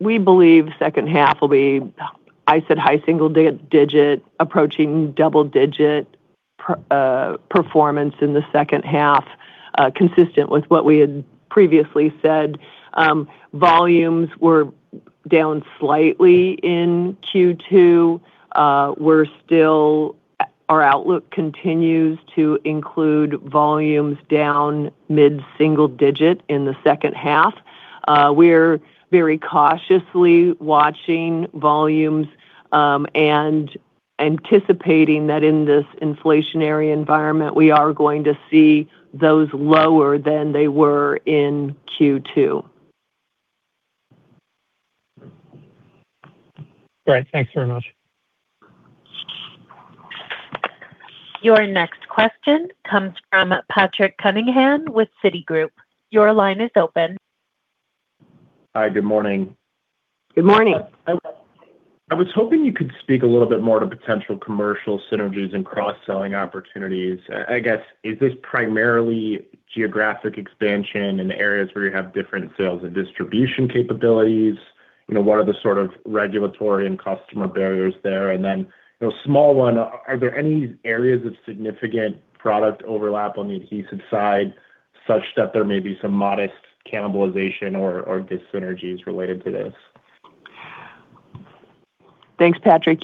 We believe second half will be, I said, high single digit approaching double-digit performance in the second half, consistent with what we had previously said. Volumes were down slightly in Q2. Our outlook continues to include volumes down mid-single digit in the second half. We're very cautiously watching volumes, anticipating that in this inflationary environment, we are going to see those lower than they were in Q2. Great. Thanks very much. Your next question comes from Patrick Cunningham with Citigroup. Your line is open. Hi. Good morning. Good morning. I was hoping you could speak a little bit more to potential commercial synergies and cross-selling opportunities. I guess, is this primarily geographic expansion in areas where you have different sales and distribution capabilities? What are the sort of regulatory and customer barriers there? Then, a small one, are there any areas of significant product overlap on the adhesive side such that there may be some modest cannibalization or dis-synergies related to this? Thanks, Patrick.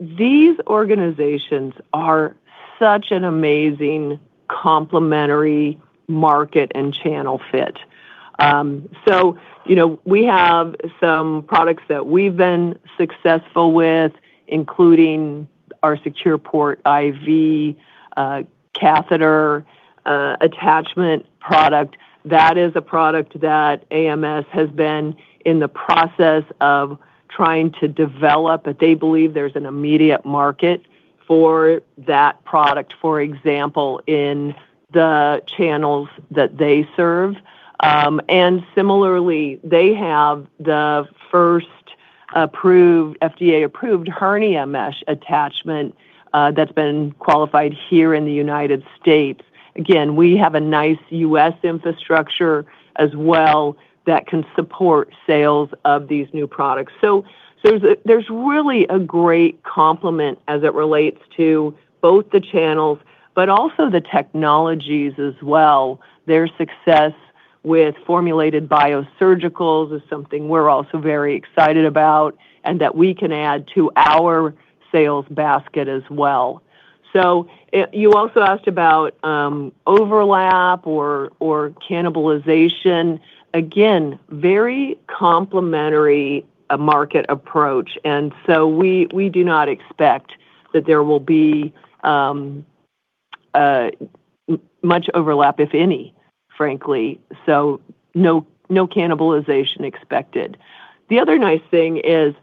These organizations are such an amazing complementary market and channel fit. We have some products that we've been successful with, including our SecurePortIV IV catheter attachment product. That is a product that AMS has been in the process of trying to develop, but they believe there's an immediate market for that product, for example, in the channels that they serve. Similarly, they have the first FDA-approved hernia mesh attachment that's been qualified here in the United States. Again, we have a nice U.S. infrastructure as well that can support sales of these new products. There's really a great complement as it relates to both the channels but also the technologies as well. Their success with formulated biosurgicals is something we're also very excited about, that we can add to our sales basket as well. You also asked about overlap or cannibalization. Again, very complementary market approach, we do not expect that there will be much overlap, if any, frankly. No cannibalization expected. The other nice thing is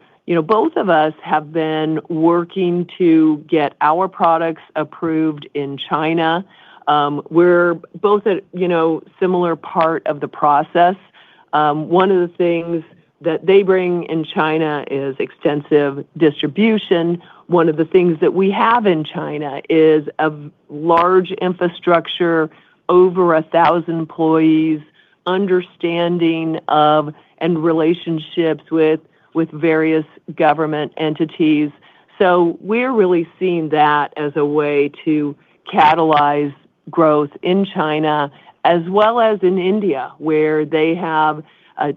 both of us have been working to get our products approved in China. We're both at similar part of the process. One of the things that they bring in China is extensive distribution. One of the things that we have in China is a large infrastructure, over 1,000 employees, understanding of and relationships with various government entities. We're really seeing that as a way to catalyze growth in China as well as in India, where they have a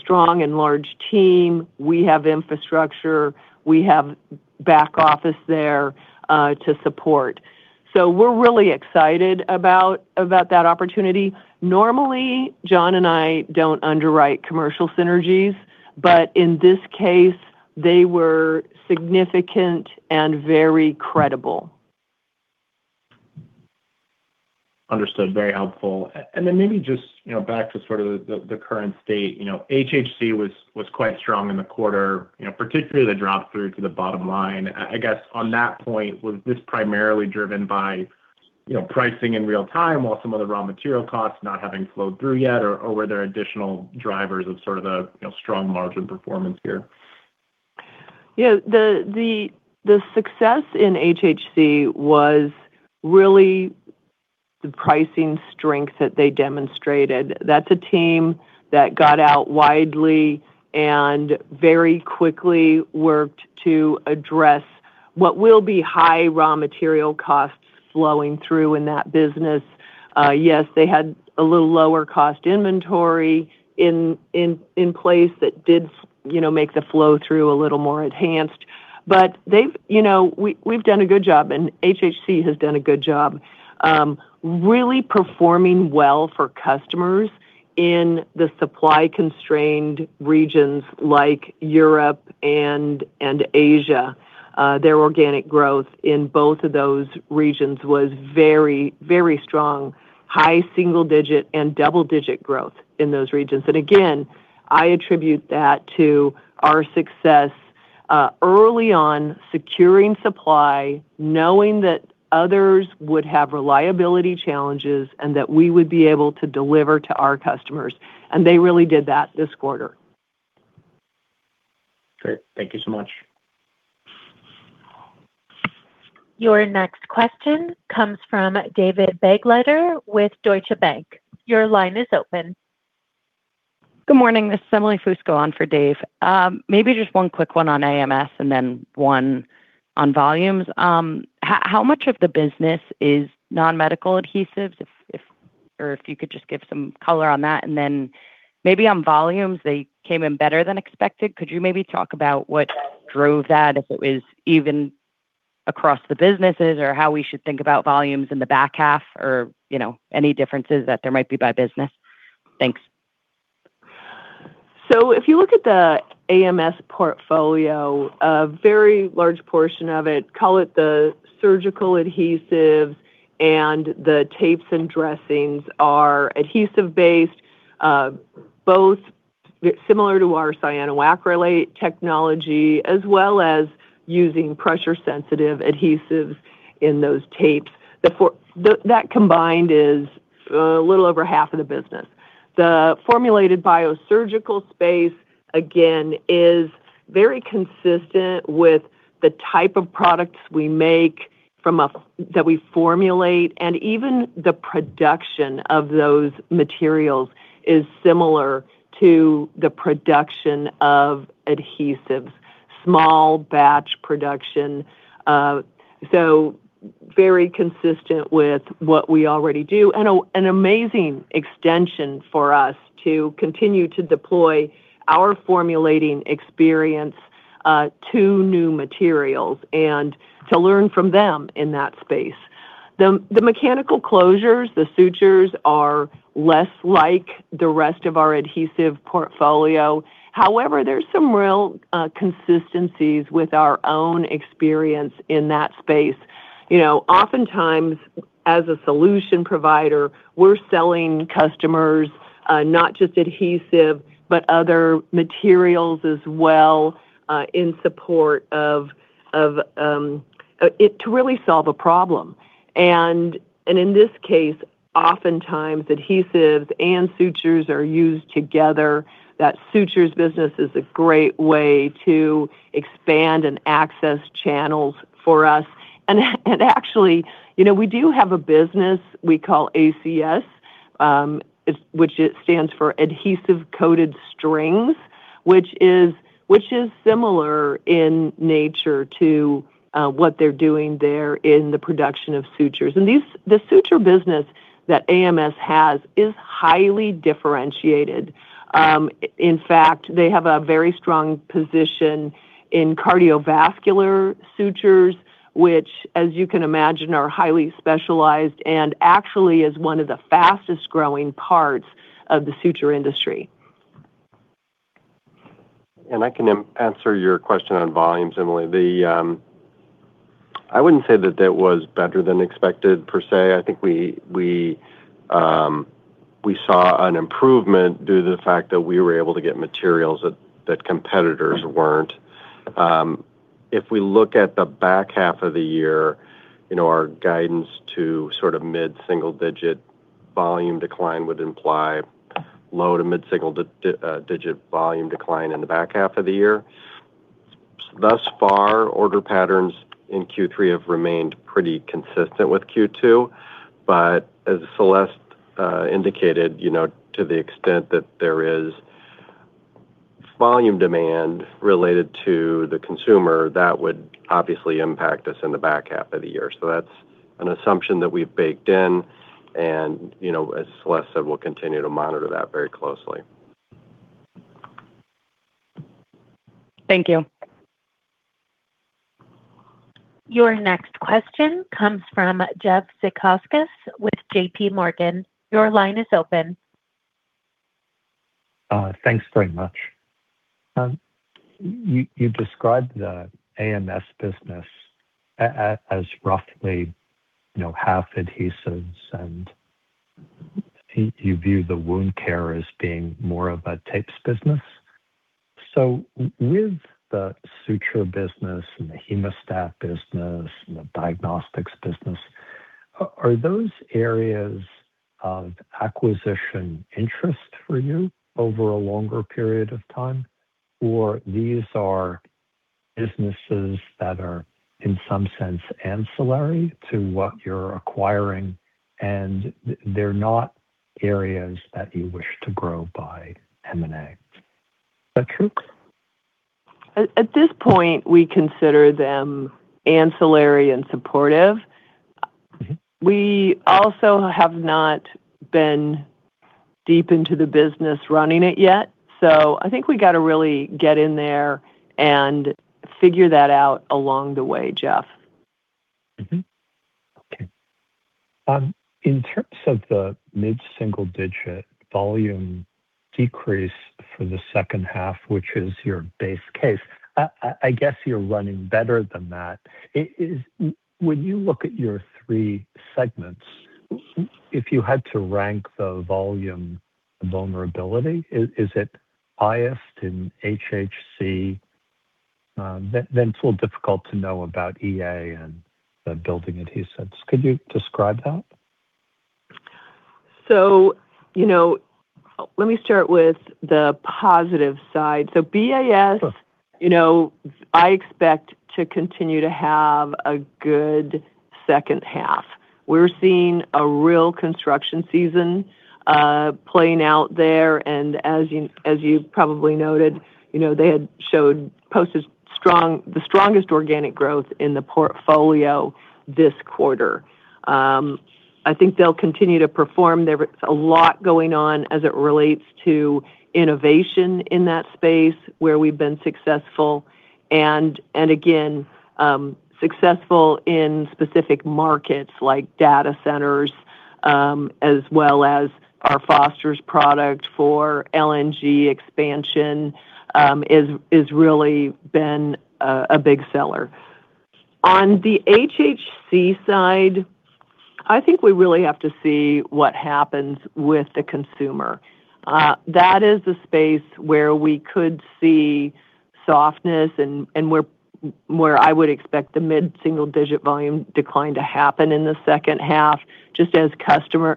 strong and large team. We have infrastructure, we have back office there to support. We're really excited about that opportunity. Normally, John and I don't underwrite commercial synergies, but in this case, they were significant and very credible. Understood. Very helpful. Then maybe just back to sort of the current state. HHC was quite strong in the quarter, particularly the drop through to the bottom line. I guess on that point, was this primarily driven by pricing in real time while some of the raw material costs not having flowed through yet, or were there additional drivers of sort of the strong margin performance here? Yeah. The success in HHC was really the pricing strength that they demonstrated. That's a team that got out widely and very quickly worked to address what will be high raw material costs flowing through in that business. Yes, they had a little lower cost inventory in place that did make the flow through a little more enhanced. We've done a good job, and HHC has done a good job really performing well for customers in the supply-constrained regions like Europe and Asia. Their organic growth in both of those regions was very strong. High single digit and double digit growth in those regions. Again, I attribute that to our success early on securing supply, knowing that others would have reliability challenges, and that we would be able to deliver to our customers, and they really did that this quarter. Great. Thank you so much. Your next question comes from David Begleiter with Deutsche Bank. Your line is open. Good morning. This is Emily Fusco on for Dave. Maybe just one quick one on AMS and then one on volumes. How much of the business is non-medical adhesives? If you could just give some color on that, and then maybe on volumes, they came in better than expected. Could you maybe talk about what drove that, if it was even across the businesses, or how we should think about volumes in the back half or any differences that there might be by business? Thanks. If you look at the AMS portfolio, a very large portion of it, call it the surgical adhesives and the tapes and dressings are adhesive based, both similar to our cyanoacrylate technology as well as using pressure-sensitive adhesives in those tapes. That combined is a little over half of the business. The formulated biosurgical space, again, is very consistent with the type of products we make that we formulate, and even the production of those materials is similar to the production of adhesives, small batch production. Very consistent with what we already do, and an amazing extension for us to continue to deploy our formulating experience to new materials and to learn from them in that space. The mechanical closures, the sutures are less like the rest of our adhesive portfolio. However, there's some real consistencies with our own experience in that space. Oftentimes as a solution provider, we're selling customers not just adhesive, but other materials as well in support to really solve a problem. In this case, oftentimes adhesives and sutures are used together. That sutures business is a great way to expand and access channels for us. Actually, we do have a business we call ACS, which stands for Adhesive Coated Strings, which is similar in nature to what they're doing there in the production of sutures. The suture business that AMS has is highly differentiated. In fact, they have a very strong position in cardiovascular sutures, which as you can imagine, are highly specialized and actually is one of the fastest growing parts of the suture industry. I can answer your question on volumes, Emily. I wouldn't say that that was better than expected per se. I think we saw an improvement due to the fact that we were able to get materials that competitors weren't. If we look at the back half of the year, our guidance to sort of mid-single digit volume decline would imply low to mid-single digit volume decline in the back half of the year. Thus far, order patterns in Q3 have remained pretty consistent with Q2, but as Celeste indicated, to the extent that there is volume demand related to the consumer, that would obviously impact us in the back half of the year. That's an assumption that we've baked in and, as Celeste said, we'll continue to monitor that very closely. Thank you. Your next question comes from Jeff Zekauskas with JPMorgan. Your line is open. Thanks very much. You described the AMS business as roughly half adhesives, and you view the wound care as being more of a tapes business. With the suture business and the hemostat business and the diagnostics business, are those areas of acquisition interest for you over a longer period of time? These are businesses that are, in some sense, ancillary to what you're acquiring, and they're not areas that you wish to grow by M&A. At this point, we consider them ancillary and supportive. We also have not been deep into the business running it yet, so I think we got to really get in there and figure that out along the way, Jeff. Okay. In terms of the mid-single-digit volume decrease for the second half, which is your base case, I guess you're running better than that. When you look at your three segments, if you had to rank the volume vulnerability, is it highest in HHC? It's a little difficult to know about EA and the building adhesives. Could you describe that? Let me start with the positive side. BAS. Sure I expect to continue to have a good second half. We're seeing a real construction season playing out there, and as you probably noted, they had posted the strongest organic growth in the portfolio this quarter. I think they'll continue to perform. There's a lot going on as it relates to innovation in that space where we've been successful and again, successful in specific markets like data centers, as well as our Foster product for LNG expansion is really been a big seller. On the HHC side, I think we really have to see what happens with the consumer. That is the space where we could see softness and where I would expect the mid-single-digit volume decline to happen in the second half, just as consumers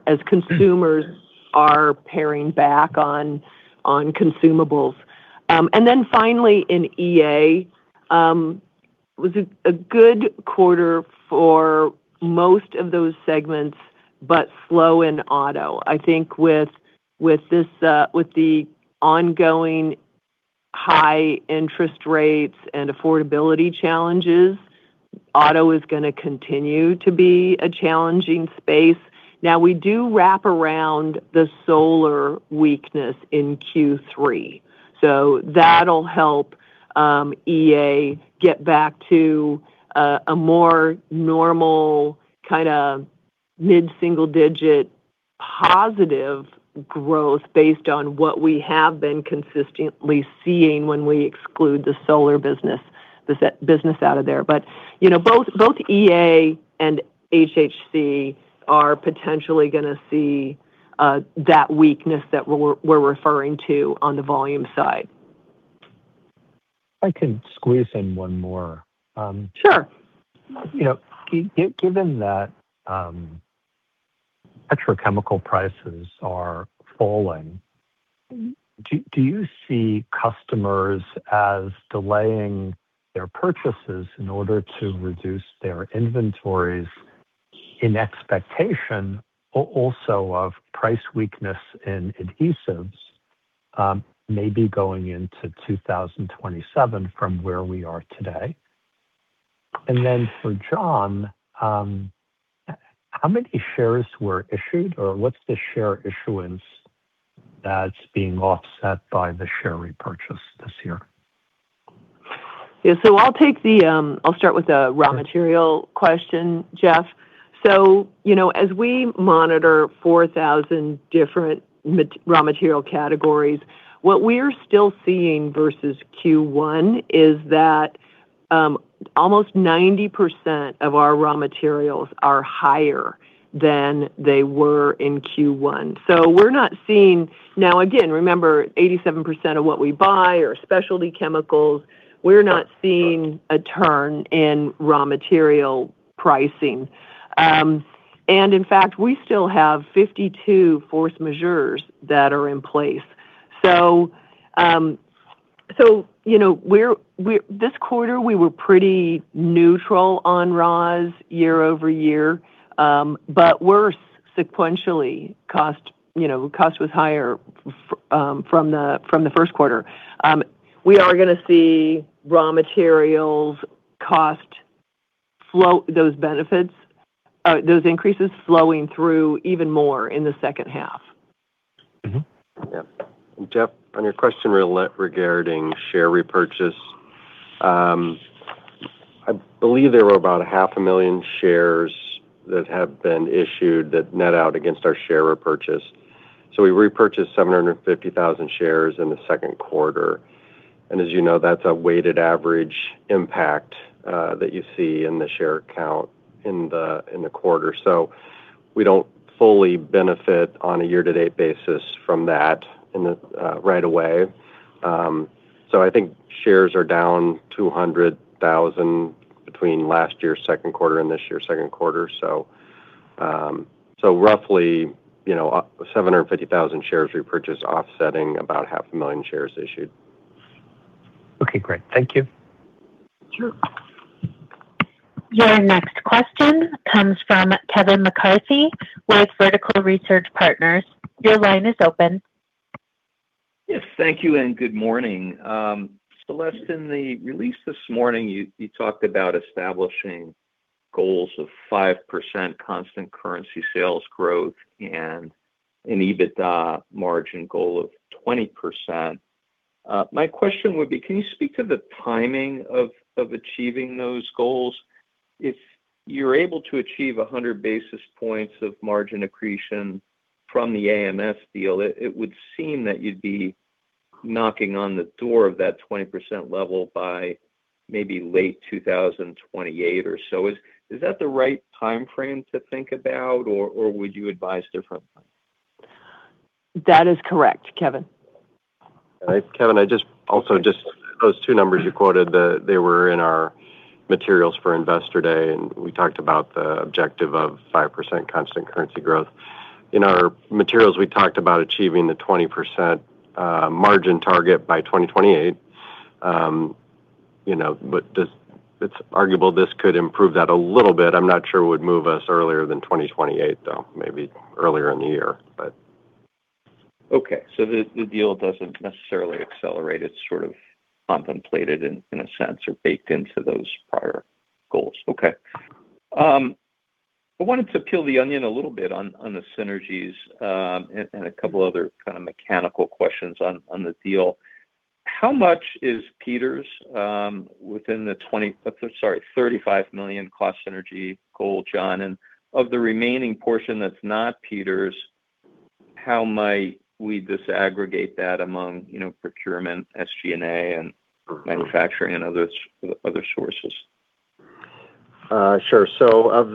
are paring back on consumables. Finally in EA, was a good quarter for most of those segments, but slow in auto. I think with the ongoing high interest rates and affordability challenges, auto is going to continue to be a challenging space. We do wrap around the solar weakness in Q3. That'll help EA get back to a more normal kind of mid-single-digit positive growth based on what we have been consistently seeing when we exclude the solar business out of there. Both EA and HHC are potentially going to see that weakness that we're referring to on the volume side. I can squeeze in one more. Sure. Given that petrochemical prices are falling, do you see customers as delaying their purchases in order to reduce their inventories in expectation also of price weakness in adhesives maybe going into 2027 from where we are today? For John, how many shares were issued or what's the share issuance that's being offset by the share repurchase this year? I'll start with the raw material question, Jeff. As we monitor 4,000 different raw material categories, what we are still seeing versus Q1 is that almost 90% of our raw materials are higher than they were in Q1. Again, remember, 87% of what we buy are specialty chemicals. We're not seeing a turn in raw material pricing. In fact, we still have 52 force majeures that are in place. This quarter, we were pretty neutral on raws year-over-year. Worse sequentially, cost was higher from the first quarter. We are going to see raw materials cost, those increases flowing through even more in the second half. Jeff, on your question regarding share repurchase, I believe there were about 500,000 shares that have been issued that net out against our share repurchase. We repurchased 750,000 shares in the second quarter, as you know, that's a weighted average impact that you see in the share count in the quarter. We don't fully benefit on a year-to-date basis from that right away. I think shares are down 200,000 between last year's second quarter and this year's second quarter. Roughly 750,000 shares repurchase offsetting about 500,000 shares issued. Okay, great. Thank you. Sure. Your next question comes from Kevin McCarthy with Vertical Research Partners. Your line is open. Yes, thank you, and good morning. Celeste, in the release this morning, you talked about establishing goals of 5% constant currency sales growth and an EBITDA margin goal of 20%. My question would be, can you speak to the timing of achieving those goals? If you're able to achieve 100 basis points of margin accretion from the AMS deal, it would seem that you'd be knocking on the door of that 20% level by maybe late 2028 or so. Is that the right timeframe to think about, or would you advise differently? That is correct, Kevin. Kevin, those two numbers you quoted, they were in our materials for Investor Day, and we talked about the objective of 5% constant currency growth. In our materials, we talked about achieving the 20% margin target by 2028. It's arguable this could improve that a little bit. I'm not sure it would move us earlier than 2028, though. Maybe earlier in the year. The deal doesn't necessarily accelerate. It's sort of contemplated in a sense, or baked into those prior goals. I wanted to peel the onion a little bit on the synergies, and a couple other kind of mechanical questions on the deal. How much is Peters within the $35 million cost synergy goal, John? Of the remaining portion that's not Peters, how might we disaggregate that among procurement, SG&A, and manufacturing and other sources? Of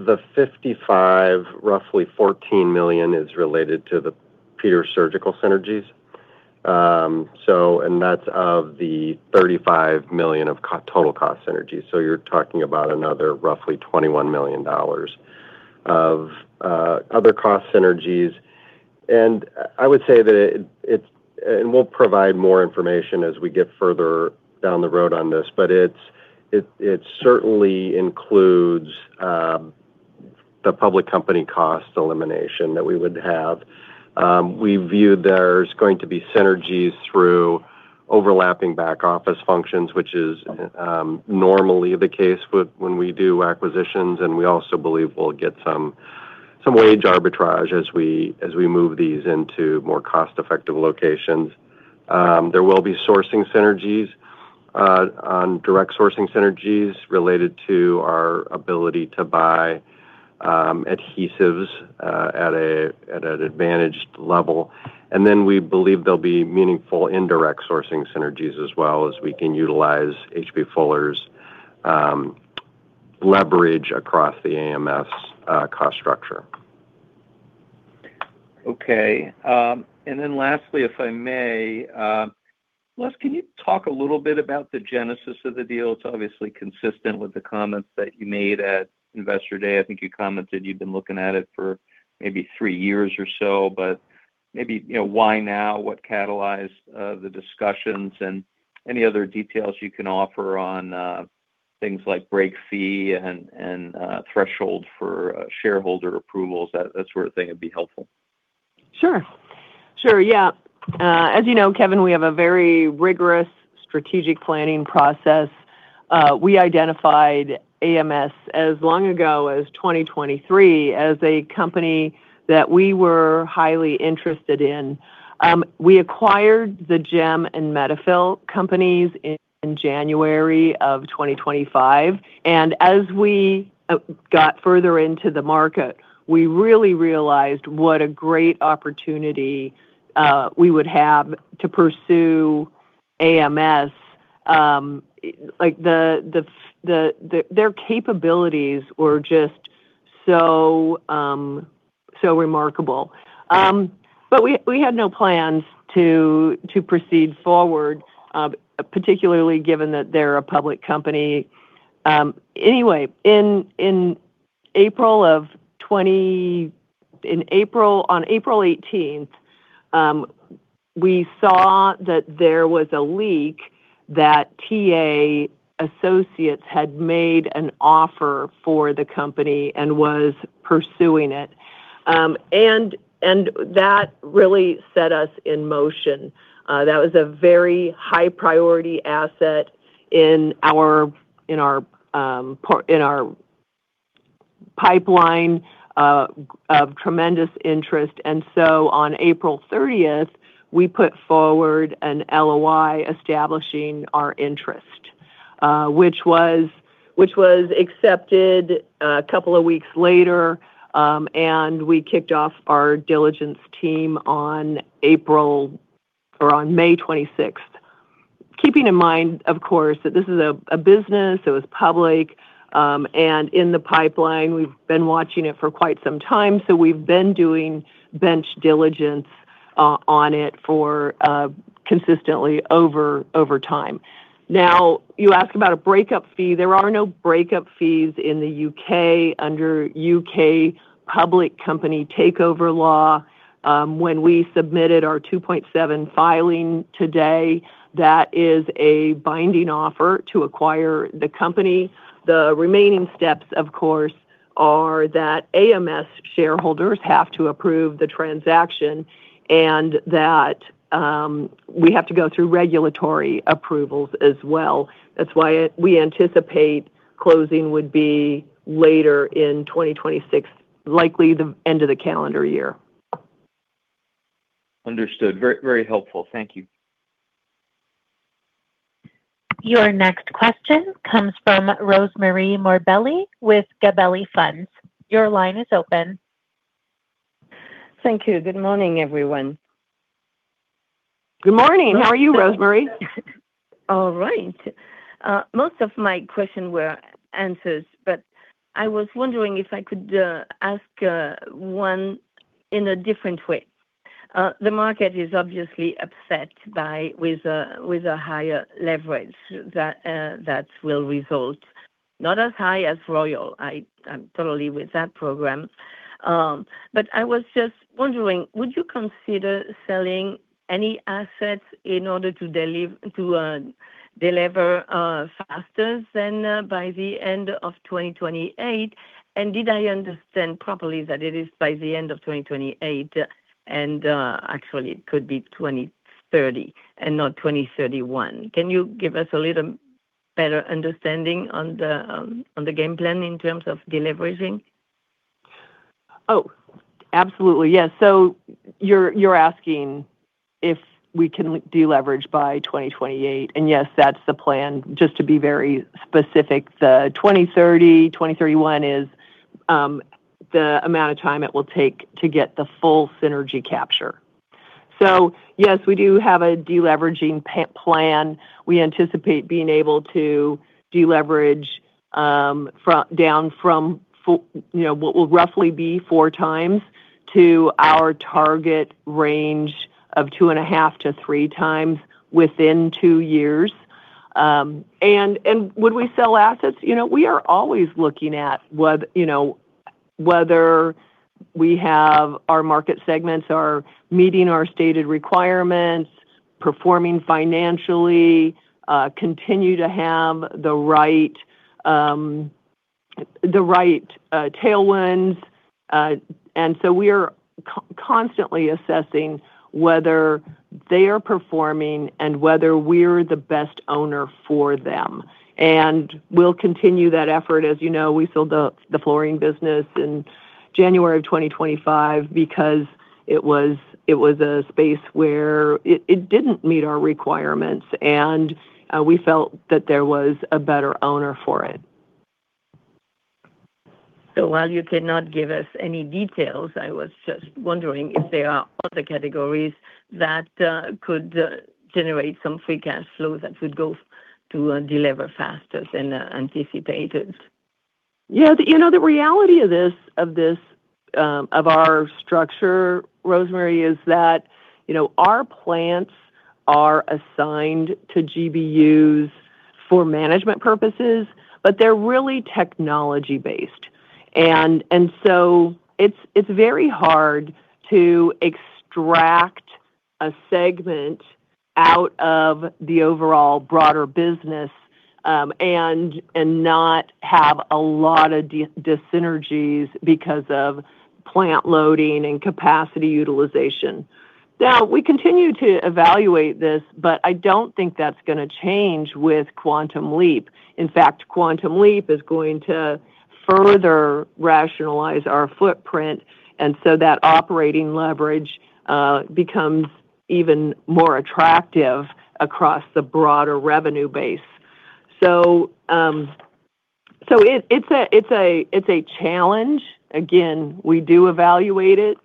the $55 million, roughly $14 million is related to the Peters Surgical synergies. That's of the $35 million of total cost synergies. You're talking about another roughly $21 million of other cost synergies. I would say that we'll provide more information as we get further down the road on this, but it certainly includes the public company cost elimination that we would have. We view there's going to be synergies through overlapping back-office functions, which is normally the case when we do acquisitions, and we also believe we'll get some wage arbitrage as we move these into more cost-effective locations. There will be sourcing synergies on direct sourcing synergies related to our ability to buy adhesives at an advantaged level. Then we believe there'll be meaningful indirect sourcing synergies as well, as we can utilize H.B. Fuller's leverage across the AMS cost structure. Lastly, if I may, Les, can you talk a little bit about the genesis of the deal? It's obviously consistent with the comments that you made at Investor Day. I think you commented you've been looking at it for maybe three years or so, but maybe, why now? What catalyzed the discussions? Any other details you can offer on things like break fee and threshold for shareholder approvals, that sort of thing, would be helpful. Sure. Yeah. As you know, Kevin, we have a very rigorous strategic planning process. We identified AMS as long ago as 2023 as a company that we were highly interested in. We acquired the GEM and Medifill companies in January of 2025, and as we got further into the market, we really realized what a great opportunity we would have to pursue AMS. Their capabilities were just so remarkable. But we had no plans to proceed forward, particularly given that they're a public company. Anyway, on April 18th, we saw that there was a leak that TA Associates had made an offer for the company and was pursuing it. That really set us in motion. That was a very high priority asset in our pipeline of tremendous interest, and so on April 30th, we put forward an LOI establishing our interest, which was accepted a couple of weeks later, and we kicked off our diligence team on May 26th. Keeping in mind, of course, that this is a business, it was public, and in the pipeline. We've been watching it for quite some time, so we've been doing bench diligence on it for consistently over time. Now, you ask about a breakup fee. There are no breakup fees in the U.K. under U.K. public company takeover law. When we submitted our 2.7 filing today, that is a binding offer to acquire the company. The remaining steps, of course, are that AMS shareholders have to approve the transaction, and that we have to go through regulatory approvals as well. That's why we anticipate closing would be later in 2026, likely the end of the calendar year. Understood. Very helpful. Thank you. Your next question comes from Rosemarie Morbelli with Gabelli Funds. Your line is open. Thank you. Good morning, everyone. Good morning. How are you, Rosemarie? All right. Most of my question were answered, but I was wondering if I could ask one in a different way. The market is obviously upset with a higher leverage that will result, not as high as Royal. I'm totally with that program. I was just wondering, would you consider selling any assets in order to delever faster than by the end of 2028? Did I understand properly that it is by the end of 2028, and actually it could be 2030 and not 2031? Can you give us a little better understanding on the game plan in terms of deleveraging? Oh, absolutely, yes. You're asking if we can deleverage by 2028, yes, that's the plan. Just to be very specific, the 2030, 2031 is the amount of time it will take to get the full synergy capture. Yes, we do have a deleveraging plan. We anticipate being able to deleverage down from what will roughly be 4x to our target range of 2.5 to 3x within two years. Would we sell assets? We are always looking at whether our market segments are meeting our stated requirements, performing financially, continue to have the right tailwinds. We are constantly assessing whether they are performing and whether we're the best owner for them. We'll continue that effort. As you know, we sold the flooring business in January of 2025 because it was a space where it didn't meet our requirements, and we felt that there was a better owner for it. While you cannot give us any details, I was just wondering if there are other categories that could generate some free cash flow that would go to deliver faster than anticipated. The reality of our structure, Rosemarie, is that our plants are assigned to GBUs for management purposes, but they're really technology based. It's very hard to extract a segment out of the overall broader business, and not have a lot of dyssynergies because of plant loading and capacity utilization. Now, we continue to evaluate this, but I don't think that's going to change with Quantum Leap. In fact, Quantum Leap is going to further rationalize our footprint, that operating leverage becomes even more attractive across the broader revenue base. It's a challenge. Again, we do evaluate it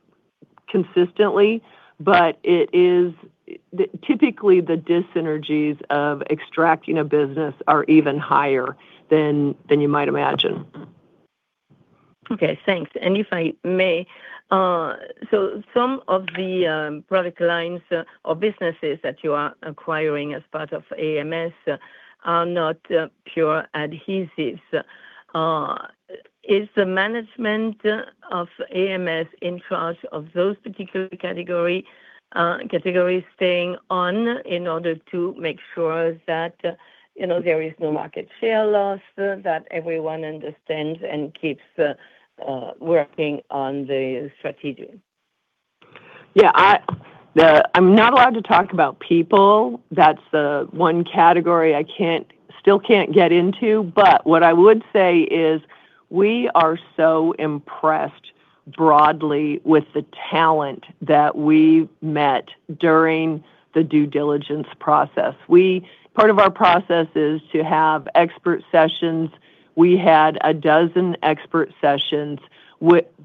consistently, but typically the dyssynergies of extracting a business are even higher than you might imagine. Okay, thanks. If I may, some of the product lines or businesses that you are acquiring as part of AMS are not pure adhesives. Is the management of AMS in charge of those particular categories staying on in order to make sure that there is no market share loss, that everyone understands and keeps working on the strategy? Yeah. I'm not allowed to talk about people. That's the one category I still can't get into. What I would say is, we are so impressed broadly with the talent that we met during the due diligence process. Part of our process is to have expert sessions. We had a dozen expert sessions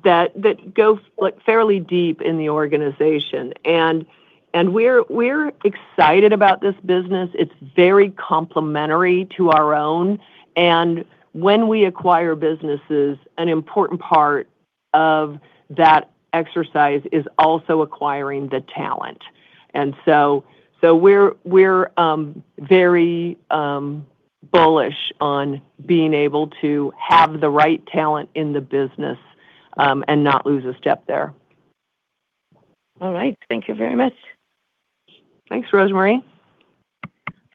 that go fairly deep in the organization. We're excited about this business. It's very complementary to our own. When we acquire businesses, an important part of that exercise is also acquiring the talent. We're very bullish on being able to have the right talent in the business, and not lose a step there. All right. Thank you very much. Thanks, Rosemarie.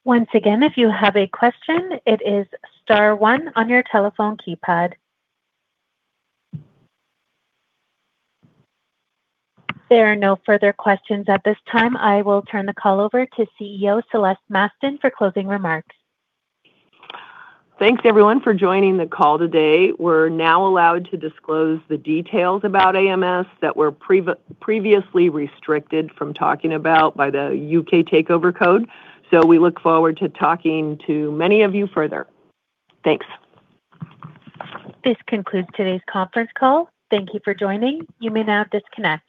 Once again, if you have a question, it is star one on your telephone keypad. There are no further questions at this time. I will turn the call over to CEO, Celeste Mastin, for closing remarks. Thanks everyone for joining the call today. We're now allowed to disclose the details about AMS that were previously restricted from talking about by the U.K. Takeover Code. We look forward to talking to many of you further. Thanks. This concludes today's conference call. Thank you for joining. You may now disconnect.